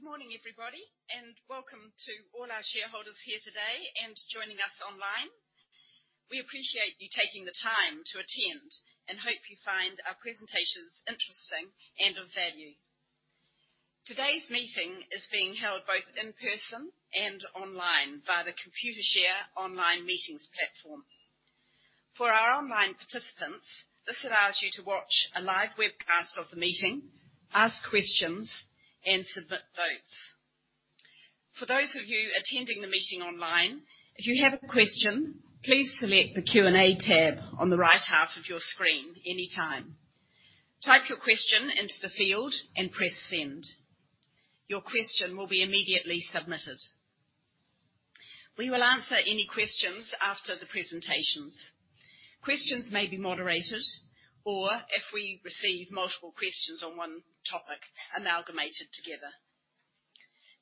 Good morning, everybody, and welcome to all our shareholders here today and joining us online. We appreciate you taking the time to attend and hope you find our presentations interesting and of value. Today's meeting is being held both in person and online via the Computershare online meetings platform. For our online participants, this allows you to watch a live webcast of the meeting, ask questions, and submit votes. For those of you attending the meeting online, if you have a question, please select the Q&A tab on the right half of your screen anytime. Type your question into the field and press Send. Your question will be immediately submitted. We will answer any questions after the presentations. Questions may be moderated or if we receive multiple questions on one topic amalgamated together.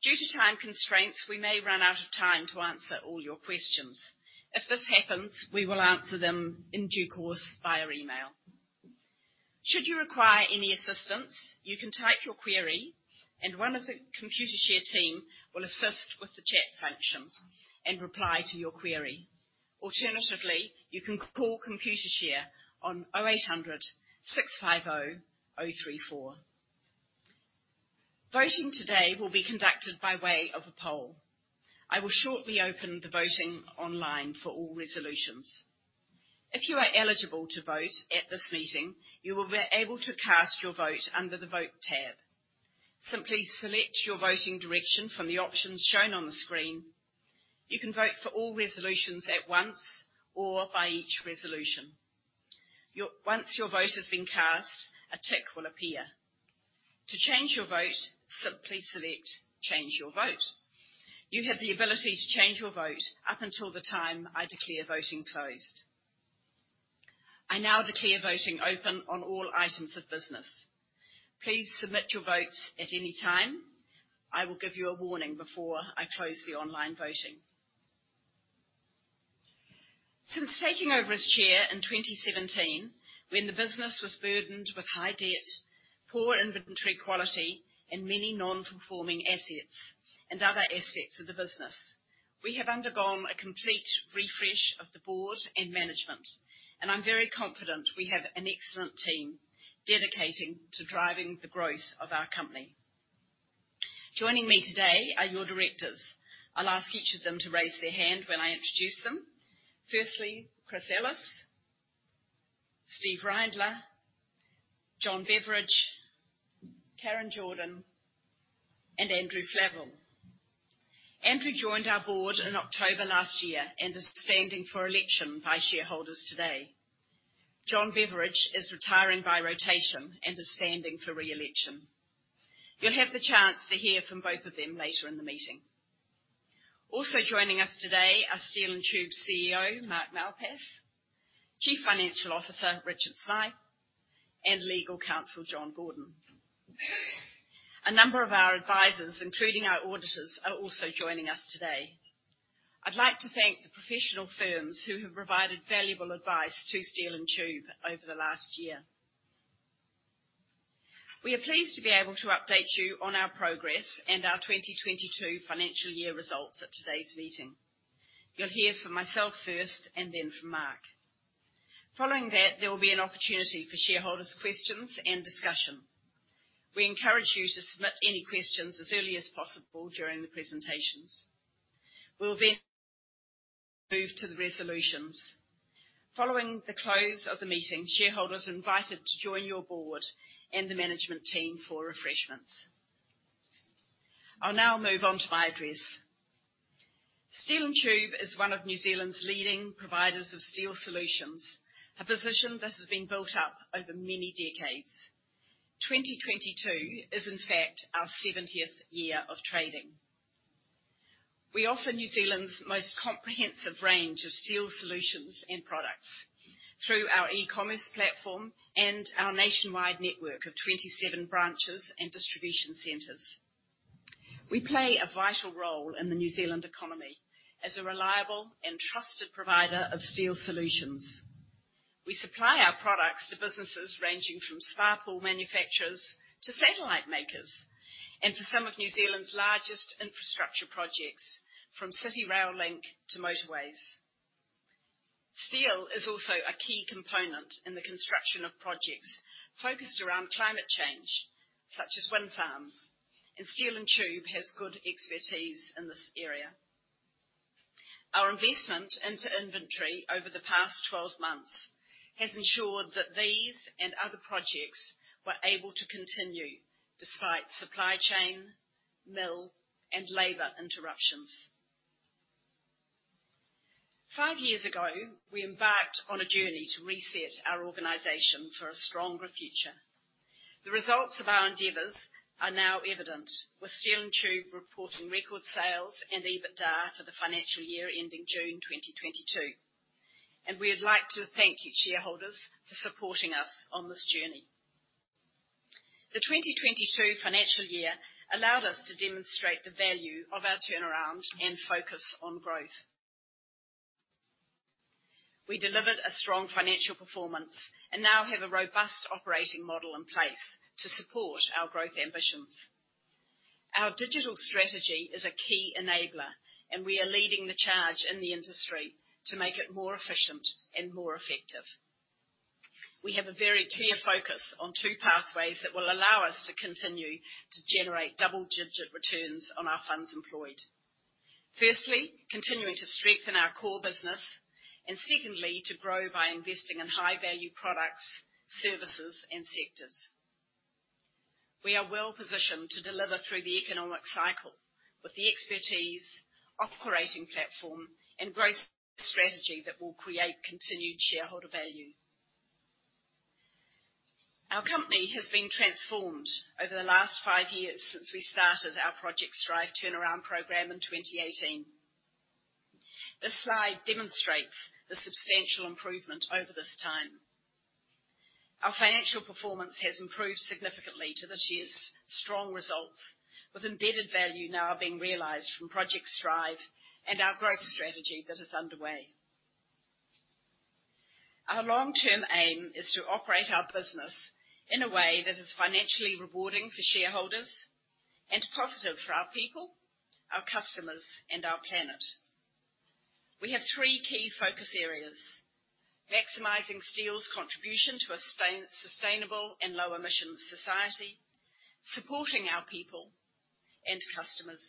Due to time constraints, we may run out of time to answer all your questions. If this happens, we will answer them in due course via email. Should you require any assistance, you can type your query and one of the Computershare team will assist with the chat function and reply to your query. Alternatively, you can call Computershare on 0800 650 034. Voting today will be conducted by way of a poll. I will shortly open the voting online for all resolutions. If you are eligible to vote at this meeting, you will be able to cast your vote under the Vote tab. Simply select your voting direction from the options shown on the screen. You can vote for all resolutions at once or by each resolution. Once your vote has been cast, a tick will appear. To change your vote, simply select Change Your Vote. You have the ability to change your vote up until the time I declare voting closed. I now declare voting open on all items of business. Please submit your votes at any time. I will give you a warning before I close the online voting. Since taking over as chair in 2017 when the business was burdened with high debt, poor inventory quality, and many non-performing assets and other aspects of the business, we have undergone a complete refresh of the board and management, and I'm very confident we have an excellent team dedicated to driving the growth of our company. Joining me today are your directors. I'll ask each of them to raise their hand when I introduce them. Firstly, Chris Ellis, Steve Reindler, John Beveridge, Karen Jordan, and Andrew Flavell. Andrew joined our board in October last year and is standing for election by shareholders today. John Beveridge is retiring by rotation and is standing for re-election. You'll have the chance to hear from both of them later in the meeting. Also joining us today are Steel & Tube CEO, Mark Malpass, Chief Financial Officer, Richard Smyth, and Legal Counsel, John Gordon. A number of our advisors, including our auditors, are also joining us today. I'd like to thank the professional firms who have provided valuable advice to Steel & Tube over the last year. We are pleased to be able to update you on our progress and our 2022 financial year results at today's meeting. You'll hear from myself first and then from Mark. Following that, there will be an opportunity for shareholders' questions and discussion. We encourage you to submit any questions as early as possible during the presentations. We'll then move to the resolutions. Following the close of the meeting, shareholders are invited to join your board and the management team for refreshments. I'll now move on to my address. Steel & Tube is one of New Zealand's leading providers of steel solutions, a position that has been built up over many decades. 2022 is, in fact, our seventieth year of trading. We offer New Zealand's most comprehensive range of steel solutions and products through our e-commerce platform and our nationwide network of 27 branches and distribution centers. We play a vital role in the New Zealand economy as a reliable and trusted provider of steel solutions. We supply our products to businesses ranging from spa pool manufacturers to satellite makers and to some of New Zealand's largest infrastructure projects, from City Rail Link to motorways. Steel is also a key component in the construction of projects focused around climate change, such as wind farms, and Steel & Tube has good expertise in this area. Our investment into inventory over the past 12 months has ensured that these and other projects were able to continue despite supply chain, mill, and labor interruptions. five years ago, we embarked on a journey to reset our organization for a stronger future. The results of our endeavors are now evident with Steel & Tube reporting record sales and EBITDA for the financial year ending June 2022. We would like to thank you, shareholders, for supporting us on this journey. The 2022 financial year allowed us to demonstrate the value of our turnaround and focus on growth. We delivered a strong financial performance and now have a robust operating model in place to support our growth ambitions. Our digital strategy is a key enabler, and we are leading the charge in the industry to make it more efficient and more effective. We have a very clear focus on two pathways that will allow us to continue to generate double-digit returns on our funds employed. Firstly, continuing to strengthen our core business, and secondly, to grow by investing in high-value products, services, and sectors. We are well-positioned to deliver through the economic cycle with the expertise, operating platform, and growth strategy that will create continued shareholder value. Our company has been transformed over the last five years since we started our Project Strive turnaround program in 2018. This slide demonstrates the substantial improvement over this time. Our financial performance has improved significantly to this year's strong results, with embedded value now being realized from Project Strive and our growth strategy that is underway. Our long-term aim is to operate our business in a way that is financially rewarding for shareholders and positive for our people, our customers, and our planet. We have three key focus areas, maximizing steel's contribution to a sustainable and low emission society, supporting our people and customers,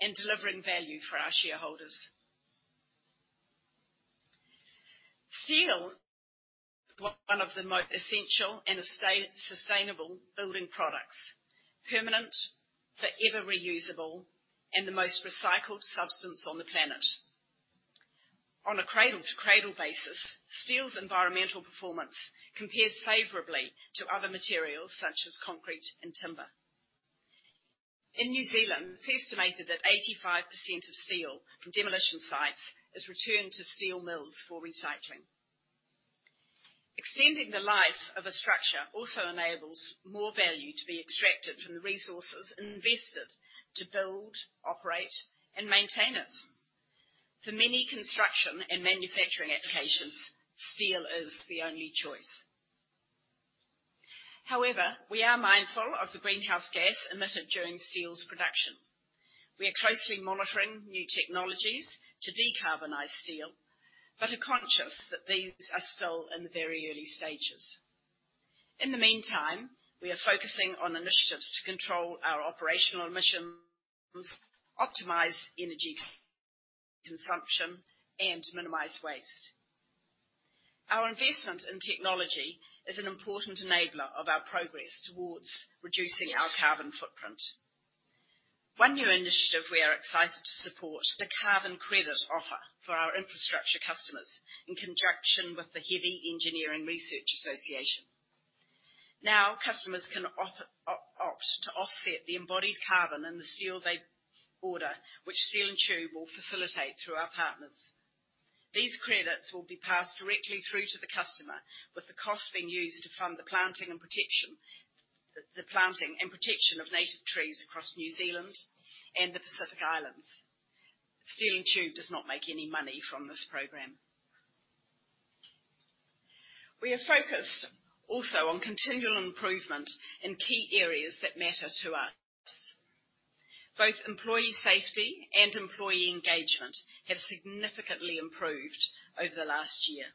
and delivering value for our shareholders. Steel, one of the most essential and sustainable building products, permanent, forever reusable, and the most recycled substance on the planet. On a cradle to cradle basis, steel's environmental performance compares favorably to other materials such as concrete and timber. In New Zealand, it's estimated that 85% of steel from demolition sites is returned to steel mills for recycling. Extending the life of a structure also enables more value to be extracted from the resources invested to build, operate, and maintain it. For many construction and manufacturing applications, steel is the only choice. However, we are mindful of the greenhouse gas emitted during steel's production. We are closely monitoring new technologies to decarbonize steel, but are conscious that these are still in the very early stages. In the meantime, we are focusing on initiatives to control our operational emissions, optimize energy consumption, and minimize waste. Our investment in technology is an important enabler of our progress towards reducing our carbon footprint. One new initiative we are excited to support, the carbon credit offer for our infrastructure customers in conjunction with the Heavy Engineering Research Association. Now, customers can opt to offset the embodied carbon in the steel they order, which Steel & Tube will facilitate through our partners. These credits will be passed directly through to the customer, with the cost being used to fund the planting and protection of native trees across New Zealand and the Pacific Islands. Steel & Tube does not make any money from this program. We are focused also on continual improvement in key areas that matter to us. Both employee safety and employee engagement have significantly improved over the last year.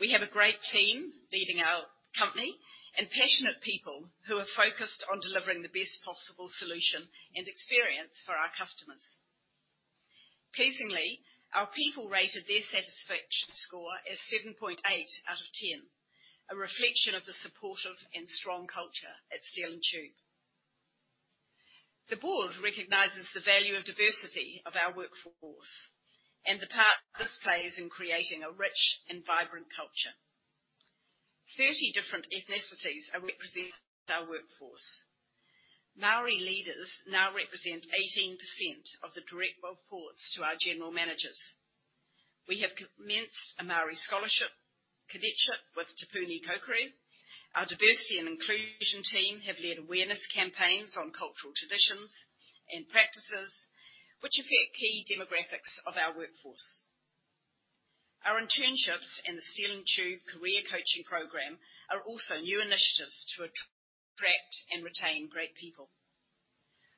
We have a great team leading our company and passionate people who are focused on delivering the best possible solution and experience for our customers. Pleasingly, our people rated their satisfaction score as 7.8 out of 10, a reflection of the supportive and strong culture at Steel & Tube. The board recognizes the value of diversity of our workforce and the part this plays in creating a rich and vibrant culture. 30 different ethnicities are represented in our workforce. Māori leaders now represent 18% of the direct reports to our general managers. We have commenced a Māori scholarship cadetship with Te Puni Kōkiri. Our diversity and inclusion team have led awareness campaigns on cultural traditions and practices which affect key demographics of our workforce. Our internships and the Steel & Tube career coaching program are also new initiatives to attract and retain great people.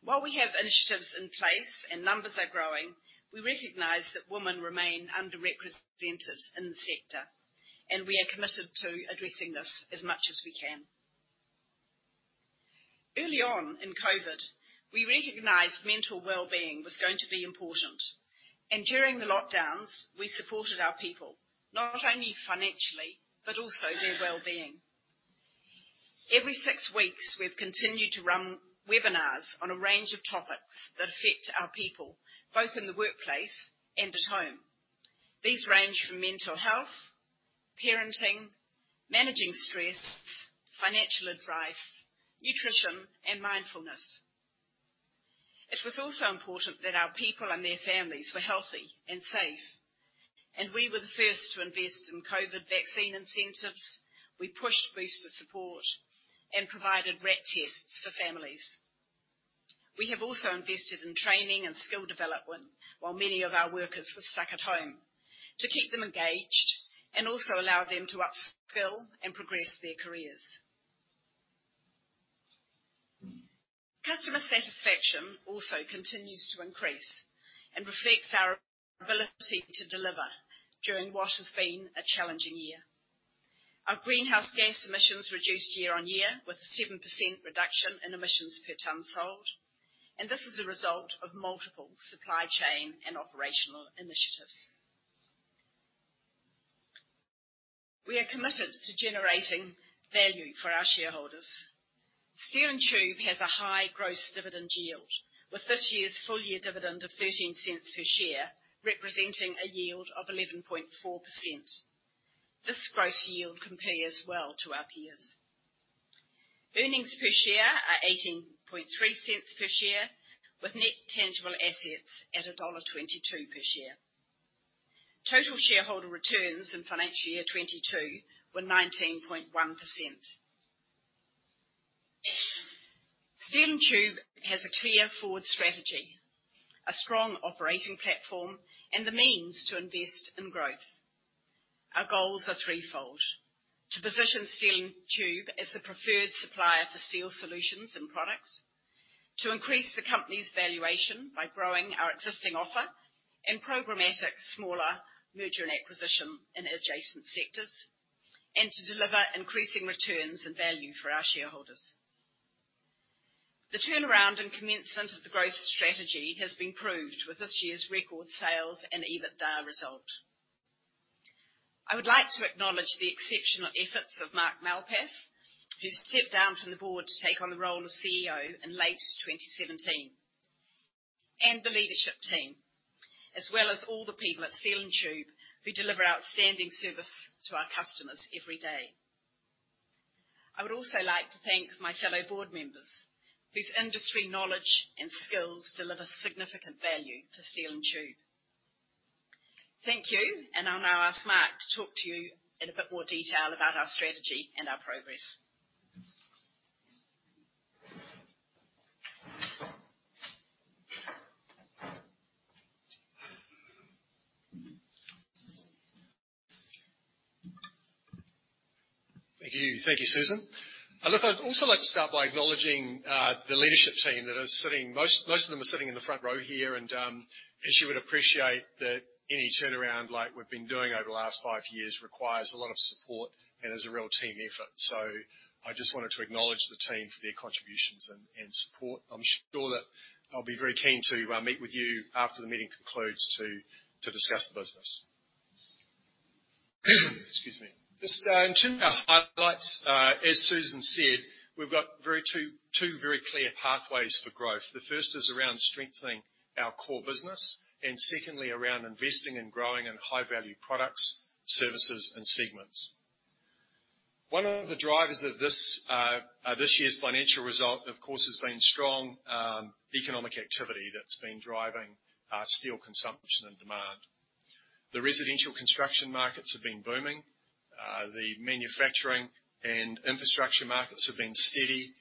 While we have initiatives in place and numbers are growing, we recognize that women remain underrepresented in the sector, and we are committed to addressing this as much as we can. Early on in COVID, we recognized mental well-being was going to be important, and during the lockdowns, we supported our people, not only financially, but also their well-being. Every six weeks, we've continued to run webinars on a range of topics that affect our people, both in the workplace and at home. These range from mental health, parenting, managing stress, financial advice, nutrition, and mindfulness. It was also important that our people and their families were healthy and safe, and we were the first to invest in COVID vaccine incentives. We pushed booster support and provided RAT tests for families. We have also invested in training and skill development while many of our workers were stuck at home to keep them engaged and also allow them to upskill and progress their careers. Customer satisfaction also continues to increase and reflects our ability to deliver during what has been a challenging year. Our greenhouse gas emissions reduced year-on-year with a 7% reduction in emissions per ton sold, and this is a result of multiple supply chain and operational initiatives. We are committed to generating value for our shareholders. Steel & Tube has a high gross dividend yield, with this year's full year dividend of $0.13 per share representing a yield of 11.4%. This gross yield compares well to our peers. Earnings per share are $18.3 per share, with net tangible assets at $1.22 per share. Total shareholder returns in financial year 2022 were 19.1%. Steel & Tube has a clear forward strategy, a strong operating platform, and the means to invest in growth. Our goals are threefold, to position Steel & Tube as the preferred supplier for steel solutions and products, to increase the company's valuation by growing our existing offer and programmatic smaller merger and acquisition in adjacent sectors, and to deliver increasing returns and value for our shareholders. The turnaround and commencement of the growth strategy has been proved with this year's record sales and EBITDA result. I would like to acknowledge the exceptional efforts of Mark Malpass, who stepped down from the board to take on the role of CEO in late 2017, and the leadership team, as well as all the people at Steel & Tube who deliver outstanding service to our customers every day. I would also like to thank my fellow board members whose industry knowledge and skills deliver significant value to Steel & Tube. Thank you. I'll now ask Mark to talk to you in a bit more detail about our strategy and our progress. Thank you. Thank you, Susan. I'd also like to start by acknowledging the leadership team. Most of them are sitting in the front row here. As you would appreciate that any turnaround like we've been doing over the last five years requires a lot of support and is a real team effort. I just wanted to acknowledge the team for their contributions and support. I'm sure that I'll be very keen to meet with you after the meeting concludes to discuss the business. Excuse me. Just in terms of our highlights, as Susan said, we've got two very clear pathways for growth. The first is around strengthening our core business and secondly around investing and growing in high value products, services, and segments. One of the drivers of this year's financial result, of course, has been strong economic activity that's been driving steel consumption and demand. The residential construction markets have been booming. The manufacturing and infrastructure markets have been steady.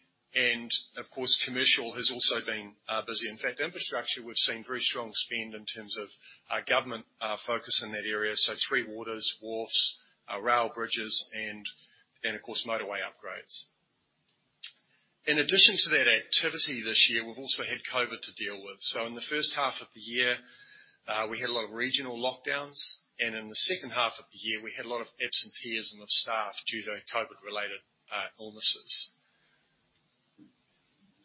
Of course, commercial has also been busy. In fact, infrastructure, we've seen very strong spend in terms of government focus in that area. Three Waters, wharves, rail bridges and of course motorway upgrades. In addition to that activity this year, we've also had COVID to deal with. In the first half of the year, we had a lot of regional lockdowns. In the second half of the year, we had a lot of absences of staff due to COVID-related illnesses.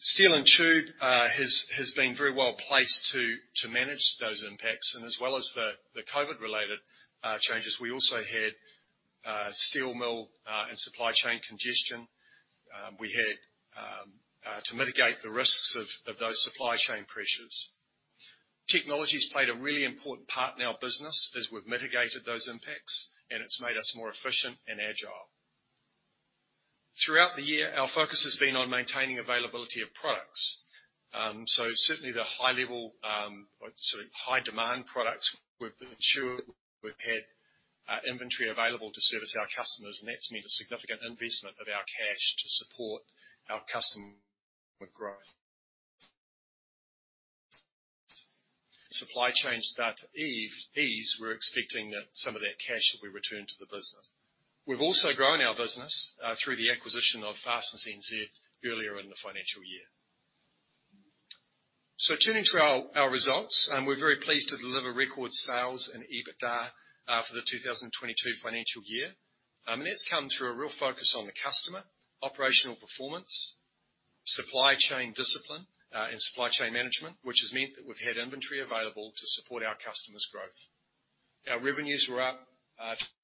Steel & Tube has been very well placed to manage those impacts. As well as the COVID related changes, we also had steel mill and supply chain congestion. We had to mitigate the risks of those supply chain pressures. Technology's played a really important part in our business as we've mitigated those impacts, and it's made us more efficient and agile. Throughout the year, our focus has been on maintaining availability of products. Certainly the high demand products, we've ensured we've had inventory available to service our customers, and that's meant a significant investment of our cash to support our customer growth. Supply chains start to ease. We're expecting that some of that cash will be returned to the business. We've also grown our business through the acquisition of Fasteners NZ earlier in the financial year. Turning to our results, we're very pleased to deliver record sales and EBITDA for the 2022 financial year. That's come through a real focus on the customer, operational performance, supply chain discipline, and supply chain management, which has meant that we've had inventory available to support our customers' growth. Our revenues were up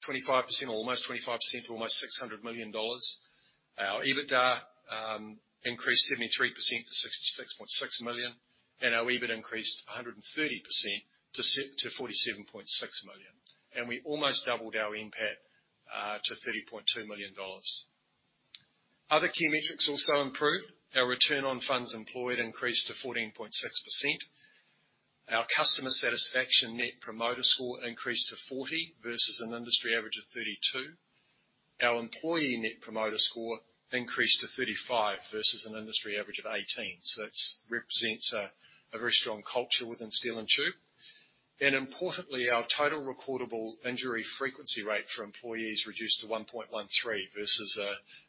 25%, almost 25% to almost $600 million. Our EBITDA increased 73% to $66.6 million. Our EBIT increased 130% to $47.6 million. We almost doubled our NPAT to $30.2 million. Other key metrics also improved. Our Return on Funds Employed increased to 14.6%. Our customer satisfaction Net Promoter Score increased to 40 versus an industry average of 32. Our employee Net Promoter Score increased to 35 versus an industry average of 18. That represents a very strong culture within Steel & Tube. Importantly, our total recordable injury frequency rate for employees reduced to 1.13 versus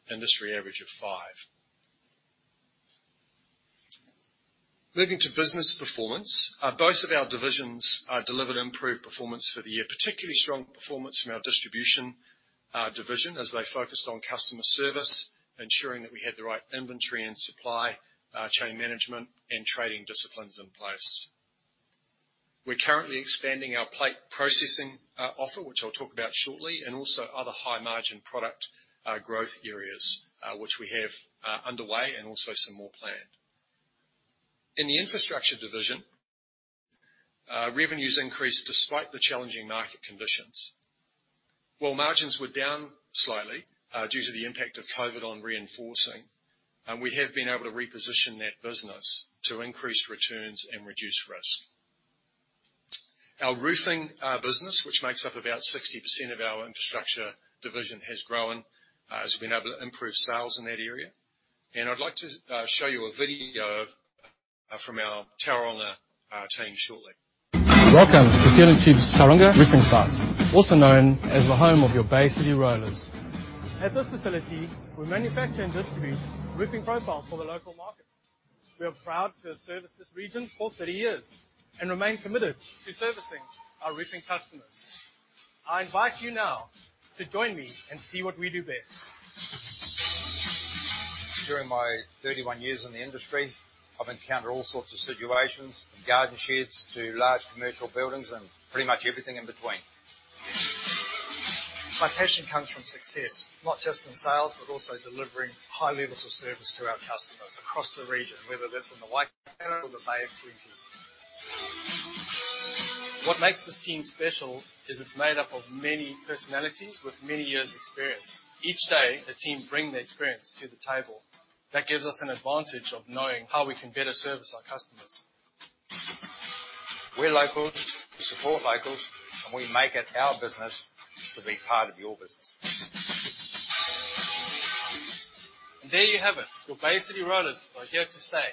industry average of five. Moving to business performance, both of our divisions delivered improved performance for the year, particularly strong performance from our distribution division as they focused on customer service, ensuring that we had the right inventory and supply chain management and trading disciplines in place. We're currently expanding our plate processing offer, which I'll talk about shortly, and also other high margin product growth areas which we have underway and also some more planned. In the infrastructure division, revenues increased despite the challenging market conditions. While margins were down slightly, due to the impact of COVID on reinforcing, and we have been able to reposition that business to increase returns and reduce risk. Our roofing business, which makes up about 60% of our infrastructure division, has grown, as we've been able to improve sales in that area. I'd like to show you a video from our Tauranga team shortly. Welcome to Steel & Tube's Tauranga roofing site, also known as the home of your Bay City Rollers. At this facility, we manufacture and distribute roofing profiles for the local market. We are proud to have serviced this region for 30 years and remain committed to servicing our roofing customers. I invite you now to join me and see what we do best. During my 31 years in the industry, I've encountered all sorts of situations, from garden sheds to large commercial buildings and pretty much everything in between. My passion comes from success, not just in sales, but also delivering high levels of service to our customers across the region, whether that's in the Waikato or the Bay of Plenty. What makes this team special is it's made up of many personalities with many years experience. Each day, the team bring their experience to the table. That gives us an advantage of knowing how we can better service our customers. We're locals, we support locals, and we make it our business to be part of your business. There you have it. Your Bay City Rollers are here to stay,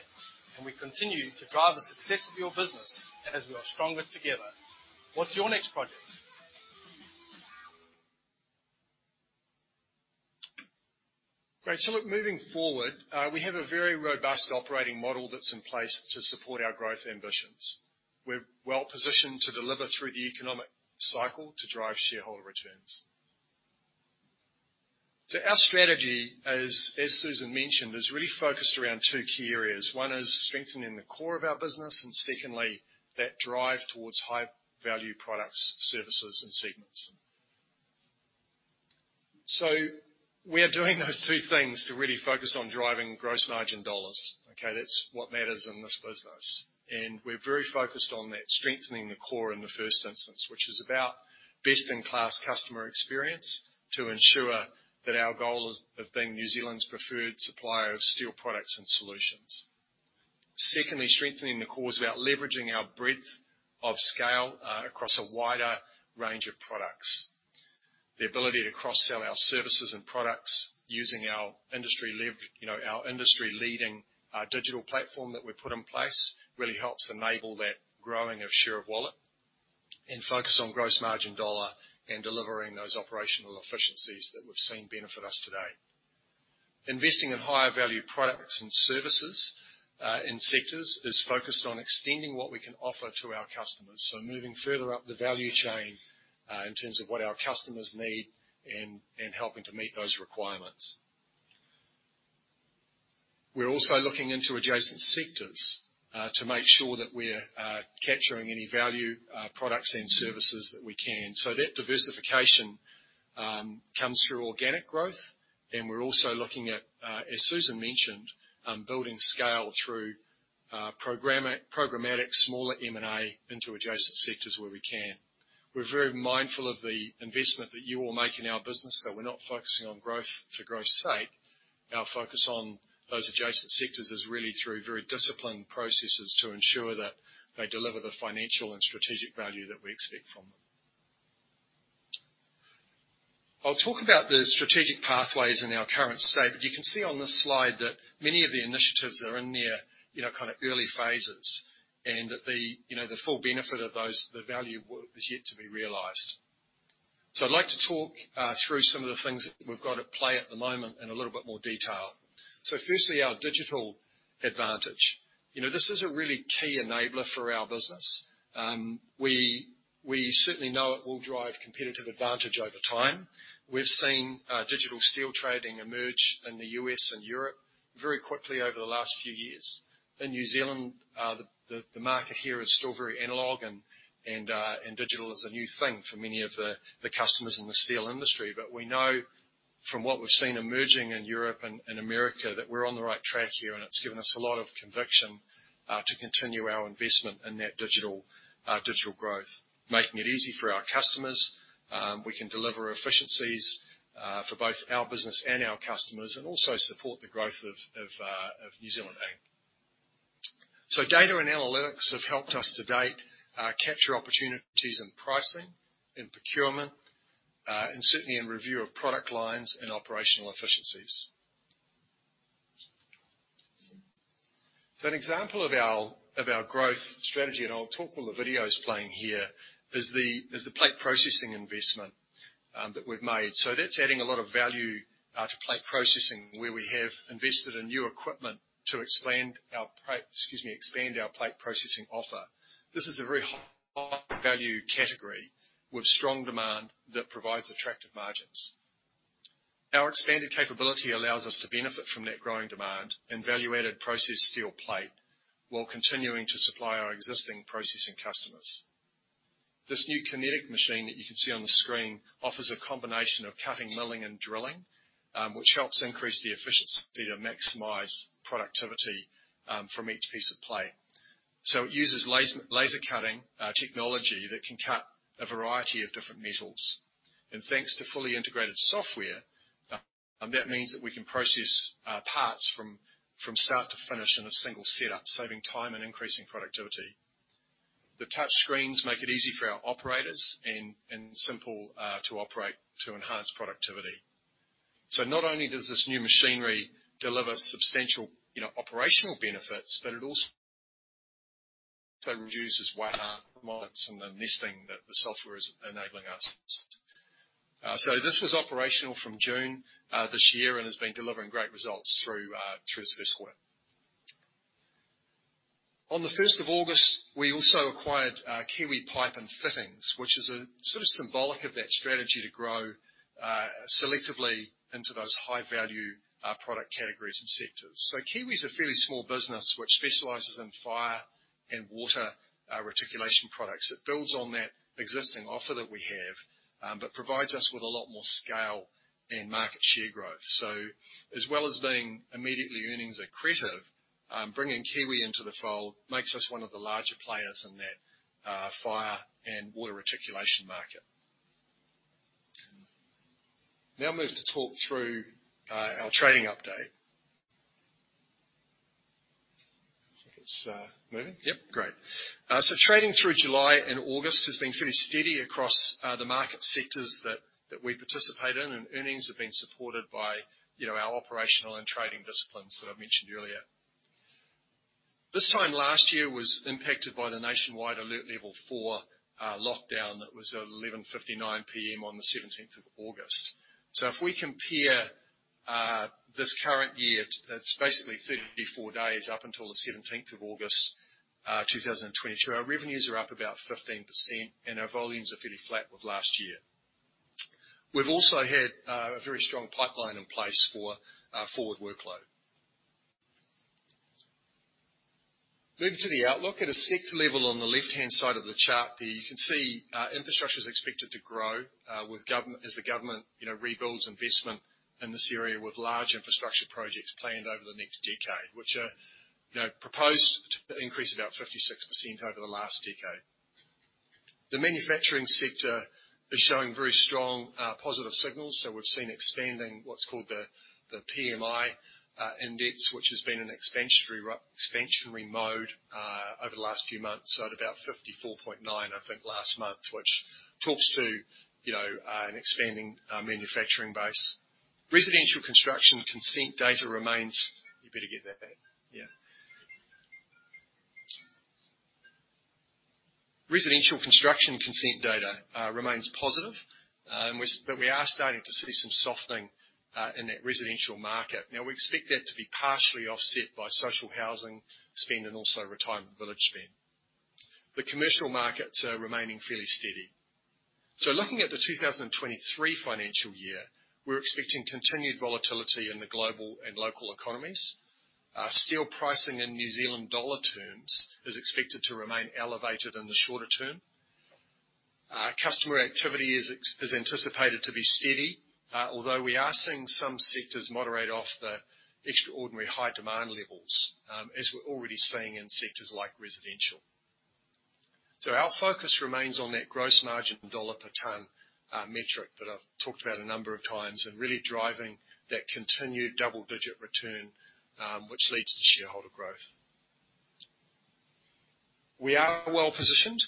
and we continue to drive the success of your business as we are stronger together. What's your next project? Great. Look, moving forward, we have a very robust operating model that's in place to support our growth ambitions. We're well-positioned to deliver through the economic cycle to drive shareholder returns. Our strategy, as Susan mentioned, is really focused around two key areas. One is strengthening the core of our business, and secondly, that drive towards high value products, services, and segments. We are doing those two things to really focus on driving gross margin dollars. Okay. That's what matters in this business. We're very focused on that, strengthening the core in the first instance, which is about best-in-class customer experience to ensure that our goal of being New Zealand's preferred supplier of steel products and solutions. Secondly, strengthening the core is about leveraging our breadth of scale across a wider range of products. The ability to cross-sell our services and products using our industry you know, our industry-leading digital platform that we've put in place really helps enable that growing of share of wallet and focus on gross margin dollar and delivering those operational efficiencies that we've seen benefit us today. Investing in higher value products and services and sectors is focused on extending what we can offer to our customers, so moving further up the value chain in terms of what our customers need and helping to meet those requirements. We're also looking into adjacent sectors to make sure that we're capturing any value products and services that we can. That diversification comes through organic growth, and we're also looking at, as Susan mentioned, building scale through programmatic smaller M&A into adjacent sectors where we can. We're very mindful of the investment that you all make in our business, so we're not focusing on growth for growth's sake. Our focus on those adjacent sectors is really through very disciplined processes to ensure that they deliver the financial and strategic value that we expect from them. I'll talk about the strategic pathways in our current state, but you can see on this slide that many of the initiatives are in their, you know, kinda early phases and that the, you know, the full benefit of those, the value is yet to be realized. I'd like to talk through some of the things that we've got at play at the moment in a little bit more detail. Firstly, our digital advantage. You know, this is a really key enabler for our business. We certainly know it will drive competitive advantage over time. We've seen digital steel trading emerge in the U.S. and Europe very quickly over the last few years. In New Zealand, the market here is still very analog and digital is a new thing for many of the customers in the steel industry. We know from what we've seen emerging in Europe and America that we're on the right track here, and it's given us a lot of conviction to continue our investment in that digital growth, making it easy for our customers. We can deliver efficiencies for both our business and our customers and also support the growth of New Zealand Inc. Data and analytics have helped us to date capture opportunities in pricing, in procurement, and certainly in review of product lines and operational efficiencies. An example of our growth strategy, and I'll talk while the video is playing here, is the plate processing investment that we've made. That's adding a lot of value to plate processing, where we have invested in new equipment to expand our plate processing offer. This is a very high value category with strong demand that provides attractive margins. Our expanded capability allows us to benefit from that growing demand and value-added processed steel plate while continuing to supply our existing processing customers. This new kinetic machine that you can see on the screen offers a combination of cutting, milling and drilling, which helps increase the efficiency to maximize productivity from each piece of plate. It uses laser cutting technology that can cut a variety of different metals. Thanks to fully integrated software, that means that we can process parts from start to finish in a single setup, saving time and increasing productivity. The touchscreens make it easy for our operators and simple to operate to enhance productivity. Not only does this new machinery deliver substantial, you know, operational benefits, but it also reduces waste and the nesting that the software is enabling us. This was operational from June this year and has been delivering great results through this quarter. On the 1st of August, we also acquired Kiwi Pipe & Fittings, which is a sort of symbolic of that strategy to grow selectively into those high-value product categories and sectors. Kiwi is a fairly small business which specializes in fire and water reticulation products. It builds on that existing offer that we have, but provides us with a lot more scale and market share growth. As well as being immediately earnings accretive, bringing Kiwi into the fold makes us one of the larger players in that fire and water reticulation market. Now, moving to talk through our trading update. If it's moving. Yep, great. Trading through July and August has been fairly steady across the market sectors that we participate in, and earnings have been supported by you know, our operational and trading disciplines that I mentioned earlier. This time last year was impacted by the nationwide alert level four lockdown. That was at 11:59 P.M. on the 17th of August. If we compare this current year, it's basically 34 days up until the 17th of August 2022. Our revenues are up about 15%, and our volumes are fairly flat with last year. We've also had a very strong pipeline in place for forward workload. Moving to the outlook at a sector level on the left-hand side of the chart there, you can see infrastructure is expected to grow as the government, you know, rebuilds investment in this area with large infrastructure projects planned over the next decade, which are, you know, proposed to increase about 56% over the last decade. The manufacturing sector is showing very strong positive signals. We've seen expanding what's called the PMI index, which has been in expansionary mode over the last few months at about 54.9, I think last month, which talks to, you know, an expanding manufacturing base. Residential construction consent data remains positive. We are starting to see some softening in that residential market. Now, we expect that to be partially offset by social housing spend and also retirement village spend. The commercial markets are remaining fairly steady. Looking at the 2023 financial year, we're expecting continued volatility in the global and local economies. Steel pricing in New Zealand dollar terms is expected to remain elevated in the shorter term. Customer activity is anticipated to be steady, although we are seeing some sectors moderate off the extraordinary high demand levels, as we're already seeing in sectors like residential. Our focus remains on that gross margin dollar per ton metric that I've talked about a number of times, and really driving that continued double-digit return, which leads to shareholder growth. We are well-positioned.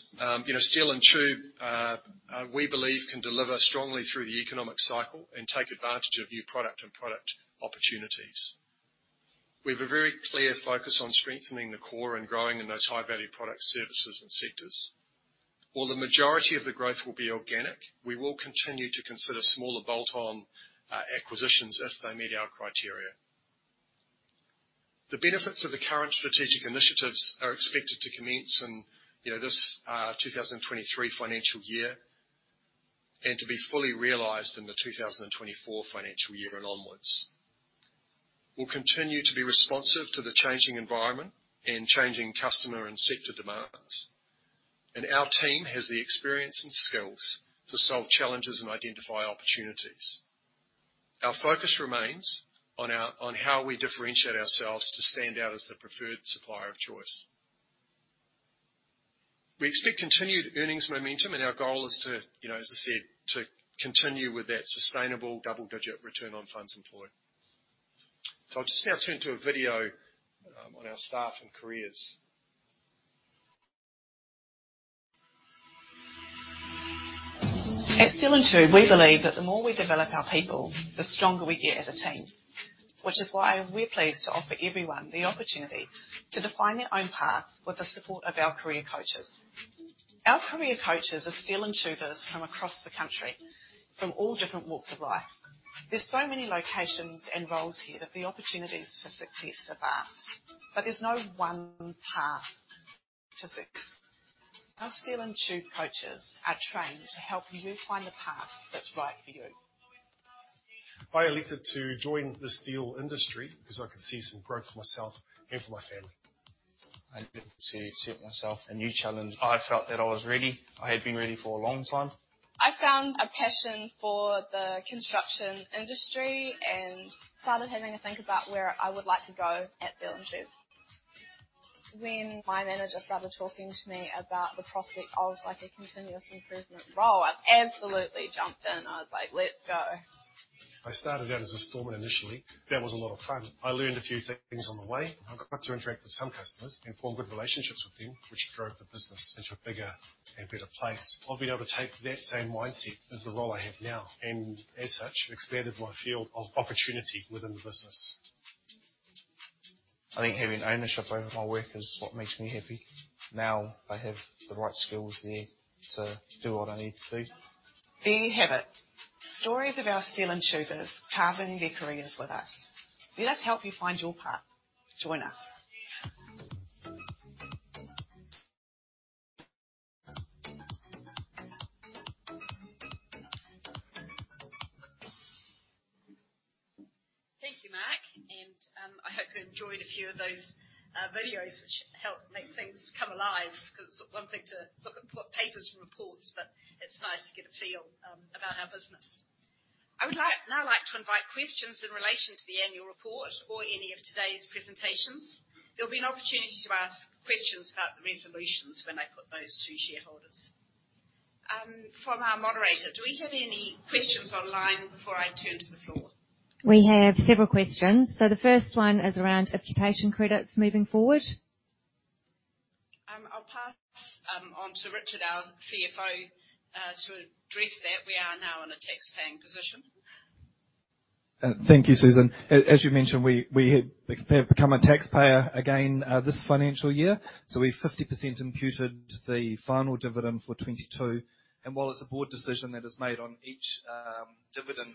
You know, Steel & Tube, we believe can deliver strongly through the economic cycle and take advantage of new product opportunities. We have a very clear focus on strengthening the core and growing in those high-value products, services and sectors. While the majority of the growth will be organic, we will continue to consider smaller bolt-on acquisitions if they meet our criteria. The benefits of the current strategic initiatives are expected to commence in, you know, this 2023 financial year, and to be fully realized in the 2024 financial year and onwards. We'll continue to be responsive to the changing environment and changing customer and sector demands, and our team has the experience and skills to solve challenges and identify opportunities. Our focus remains on how we differentiate ourselves to stand out as the preferred supplier of choice. We expect continued earnings momentum, and our goal is to, you know, as I said, to continue with that sustainable double-digit Return on Funds Employed. I'll just now turn to a video on our staff and careers. At Steel & Tube, we believe that the more we develop our people, the stronger we get as a team. Which is why we're pleased to offer everyone the opportunity to define their own path with the support of our career coaches. Our career coaches are Steel & Tubers from across the country, from all different walks of life. There's so many locations and roles here that the opportunities for success are vast. But there's no one path to success. Our Steel & Tube coaches are trained to help you find the path that's right for you. I elected to join the steel industry because I could see some growth for myself and for my family. I needed to set myself a new challenge. I felt that I was ready. I had been ready for a long time. I found a passion for the construction industry and started having a think about where I would like to go at Steel & Tube. When my manager started talking to me about the prospect of, like, a continuous improvement role, I absolutely jumped in. I was like, "Let's go. I started out as a storeman initially. That was a lot of fun. I learned a few things on the way. I got to interact with some customers and form good relationships with them, which drove the business into a bigger and better place. I've been able to take that same mindset as the role I have now, and as such, expanded my field of opportunity within the business. I think having ownership over my work is what makes me happy. Now I have the right skills there to do what I need to do. There you have it. Stories of our Steel & Tubers carving their careers with us. Let us help you find your path. Join us. Thank you, Mark. I hope you enjoyed a few of those videos which help make things come alive, 'cause it's one thing to look at papers and reports, but it's nice to get a feel about our business. I would like to invite questions in relation to the annual report or any of today's presentations. There'll be an opportunity to ask questions about the resolutions when I put those to shareholders. From our moderator, do we have any questions online before I turn to the floor? We have several questions. The first one is around imputation credits moving forward. I'll pass on to Richard, our CFO, to address that. We are now in a tax-paying position. Thank you, Susan. As you mentioned, we have become a taxpayer again this financial year, so we've 50% imputed the final dividend for 2022. While it's a board decision that is made on each dividend,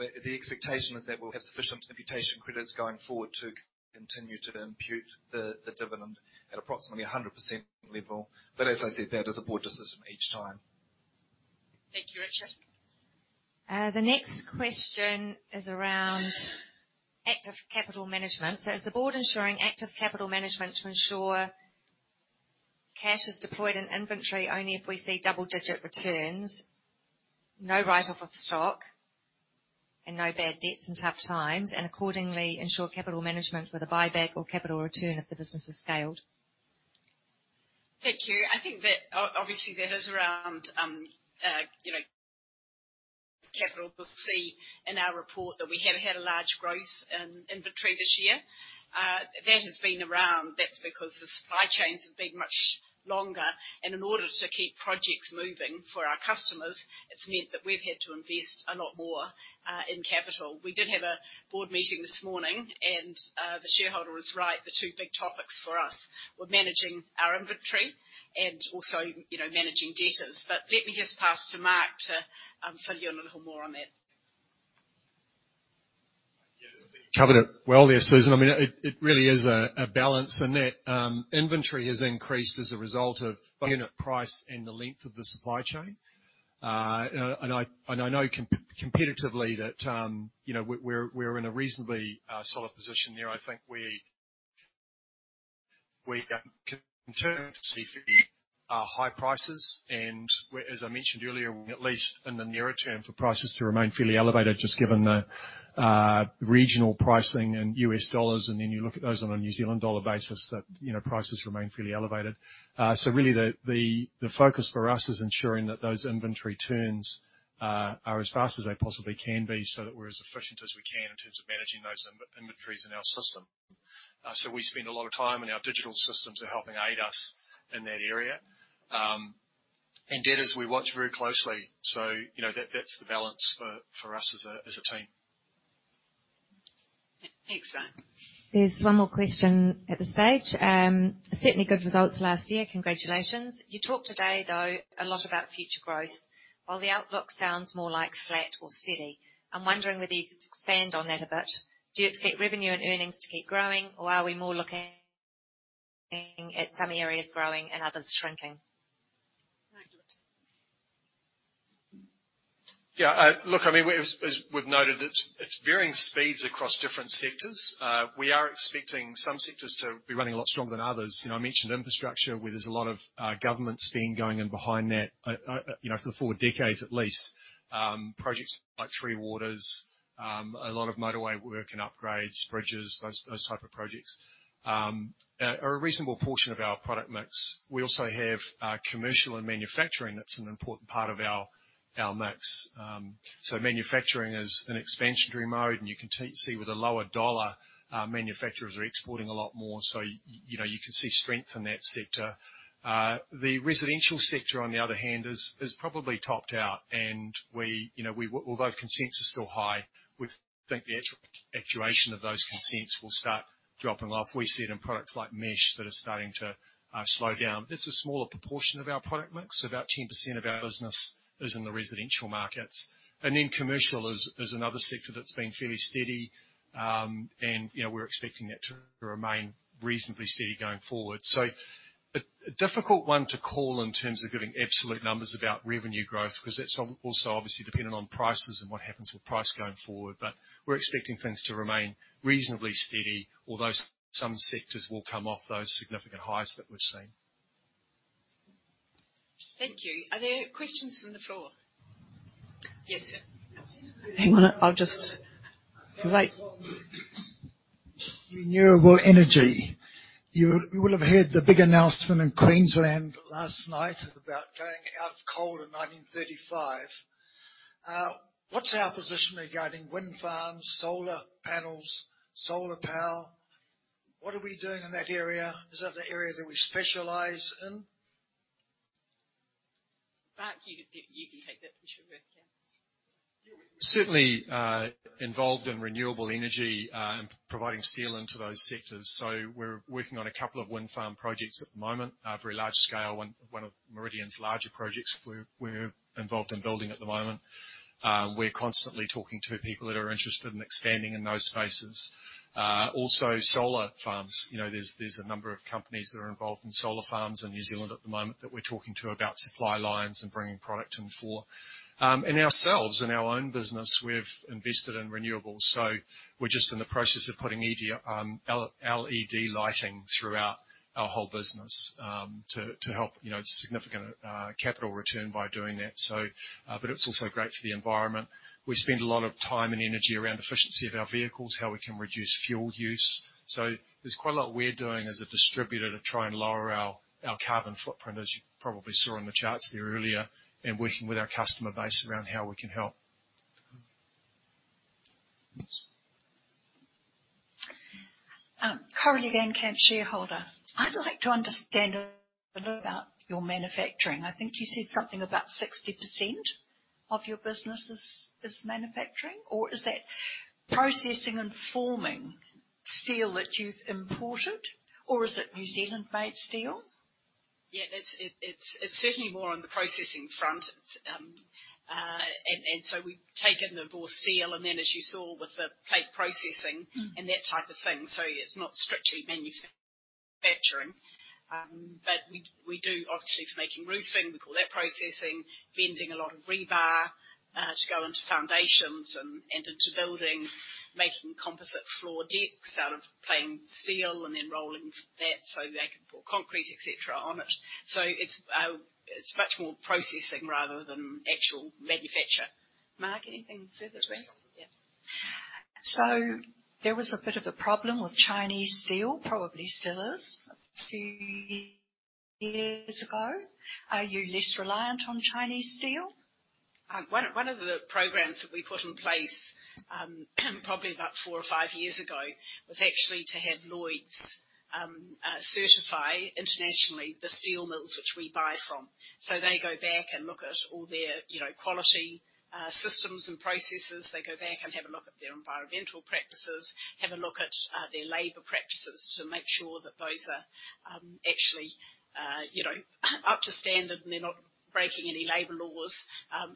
where the expectation is that we'll have sufficient imputation credits going forward to continue to impute the dividend at approximately 100% level. As I said, that is a board decision each time. Thank you, Richard. The next question is around active capital management. Is the board ensuring active capital management to ensure cash is deployed in inventory only if we see double-digit returns, no write-off of stock, and no bad debts in tough times, and accordingly ensure capital management with a buyback or capital return if the business has scaled? Thank you. I think that obviously that is around, you know, capital. We'll see in our report that we have had a large growth in inventory this year. That has been around. That's because the supply chains have been much longer. In order to keep projects moving for our customers, it's meant that we've had to invest a lot more in capital. We did have a board meeting this morning, and the shareholder was right. The two big topics for us were managing our inventory and also, you know, managing debtors. Let me just pass to Mark to fill you in a little more on that. Yeah. You covered it well there, Susan. I mean, it really is a balance and that inventory has increased as a result of unit price and the length of the supply chain. I know competitively that you know, we're in a reasonably solid position there. I think we continue to see fairly high prices. Where, as I mentioned earlier, at least in the nearer term, for prices to remain fairly elevated, just given the regional pricing and U.S. dollars, and then you look at those on a New Zealand dollar basis, that you know, prices remain fairly elevated. Really the focus for us is ensuring that those inventory turns are as fast as they possibly can be, so that we're as efficient as we can in terms of managing those inventories in our system. We spend a lot of time, and our digital systems are helping aid us in that area. Debtors we watch very closely. You know, that's the balance for us as a team. Thanks, Mark. There's one more question at this stage. Certainly good results last year. Congratulations. You talked today, though, a lot about future growth. While the outlook sounds more like flat or steady, I'm wondering whether you could expand on that a bit. Do you expect revenue and earnings to keep growing, or are we more looking at some areas growing and others shrinking? Yeah. Look, I mean, as we've noted, it's varying speeds across different sectors. We are expecting some sectors to be running a lot stronger than others. You know, I mentioned infrastructure, where there's a lot of government spend going in behind that, you know, for the forward decades at least. Projects like Three Waters, a lot of motorway work and upgrades, bridges, those type of projects, are a reasonable portion of our product mix. We also have commercial and manufacturing. That's an important part of our mix. Manufacturing is in expansionary mode, and you can see with the lower dollar, manufacturers are exporting a lot more. You know, you can see strength in that sector. The residential sector, on the other hand, is probably topped out, and we, you know, although consents are still high, we think the actualization of those consents will start dropping off. We see it in products like mesh that are starting to slow down. It's a smaller proportion of our product mix. About 10% of our business is in the residential markets. Commercial is another sector that's been fairly steady, you know, we're expecting that to remain reasonably steady going forward. A difficult one to call in terms of giving absolute numbers about revenue growth, 'cause that's also obviously dependent on prices and what happens with price going forward. We're expecting things to remain reasonably steady, although some sectors will come off those significant highs that we've seen. Thank you. Are there questions from the floor? Yes, sir. Hang on. I'll just if you wait. Renewable energy. You will have heard the big announcement in Queensland last night about going out of coal in 1935. What's our position regarding wind farms, solar panels, solar power? What are we doing in that area? Is that an area that we specialize in? Mark, you can take that if you wish, yeah. Certainly involved in renewable energy and providing steel into those sectors. We're working on a couple of wind farm projects at the moment. Very large scale, one of Meridian's larger projects we're involved in building at the moment. We're constantly talking to people that are interested in expanding in those spaces. Also solar farms. You know, there's a number of companies that are involved in solar farms in New Zealand at the moment that we're talking to about supply lines and bringing product in for. Ourselves, in our own business, we've invested in renewables. We're just in the process of putting LED lighting throughout our whole business to help, you know, significant capital return by doing that. It's also great for the environment. We spend a lot of time and energy around efficiency of our vehicles, how we can reduce fuel use. There's quite a lot we're doing as a distributor to try and lower our carbon footprint, as you probably saw in the charts there earlier, and working with our customer base around how we can help. Currently a Kamp shareholder. I'd like to understand a bit about your manufacturing. I think you said something about 60% of your business is manufacturing, or is that processing and forming steel that you've imported, or is it New Zealand-made steel? Yeah. It's certainly more on the processing front. We've taken the raw steel and then as you saw with the plate processing. Mm-hmm. that type of thing. It's not strictly manufacturing. We do obviously for making roofing, we call that processing. Bending a lot of rebar to go into foundations and into buildings. Making composite floor decks out of plain steel and then rolling that so they can pour concrete, et cetera, on it. It's much more processing rather than actual manufacture. Mark, anything further to add? Yeah. There was a bit of a problem with Chinese steel, probably still is, a few years ago. Are you less reliant on Chinese steel? One of the programs that we put in place, probably about four or five years ago, was actually to have Lloyd's certify internationally the steel mills which we buy from. So they go back and look at all their, you know, quality, systems and processes. They go back and have a look at their environmental practices, have a look at their labor practices to make sure that those are, actually, you know, up to standard and they're not breaking any labor laws,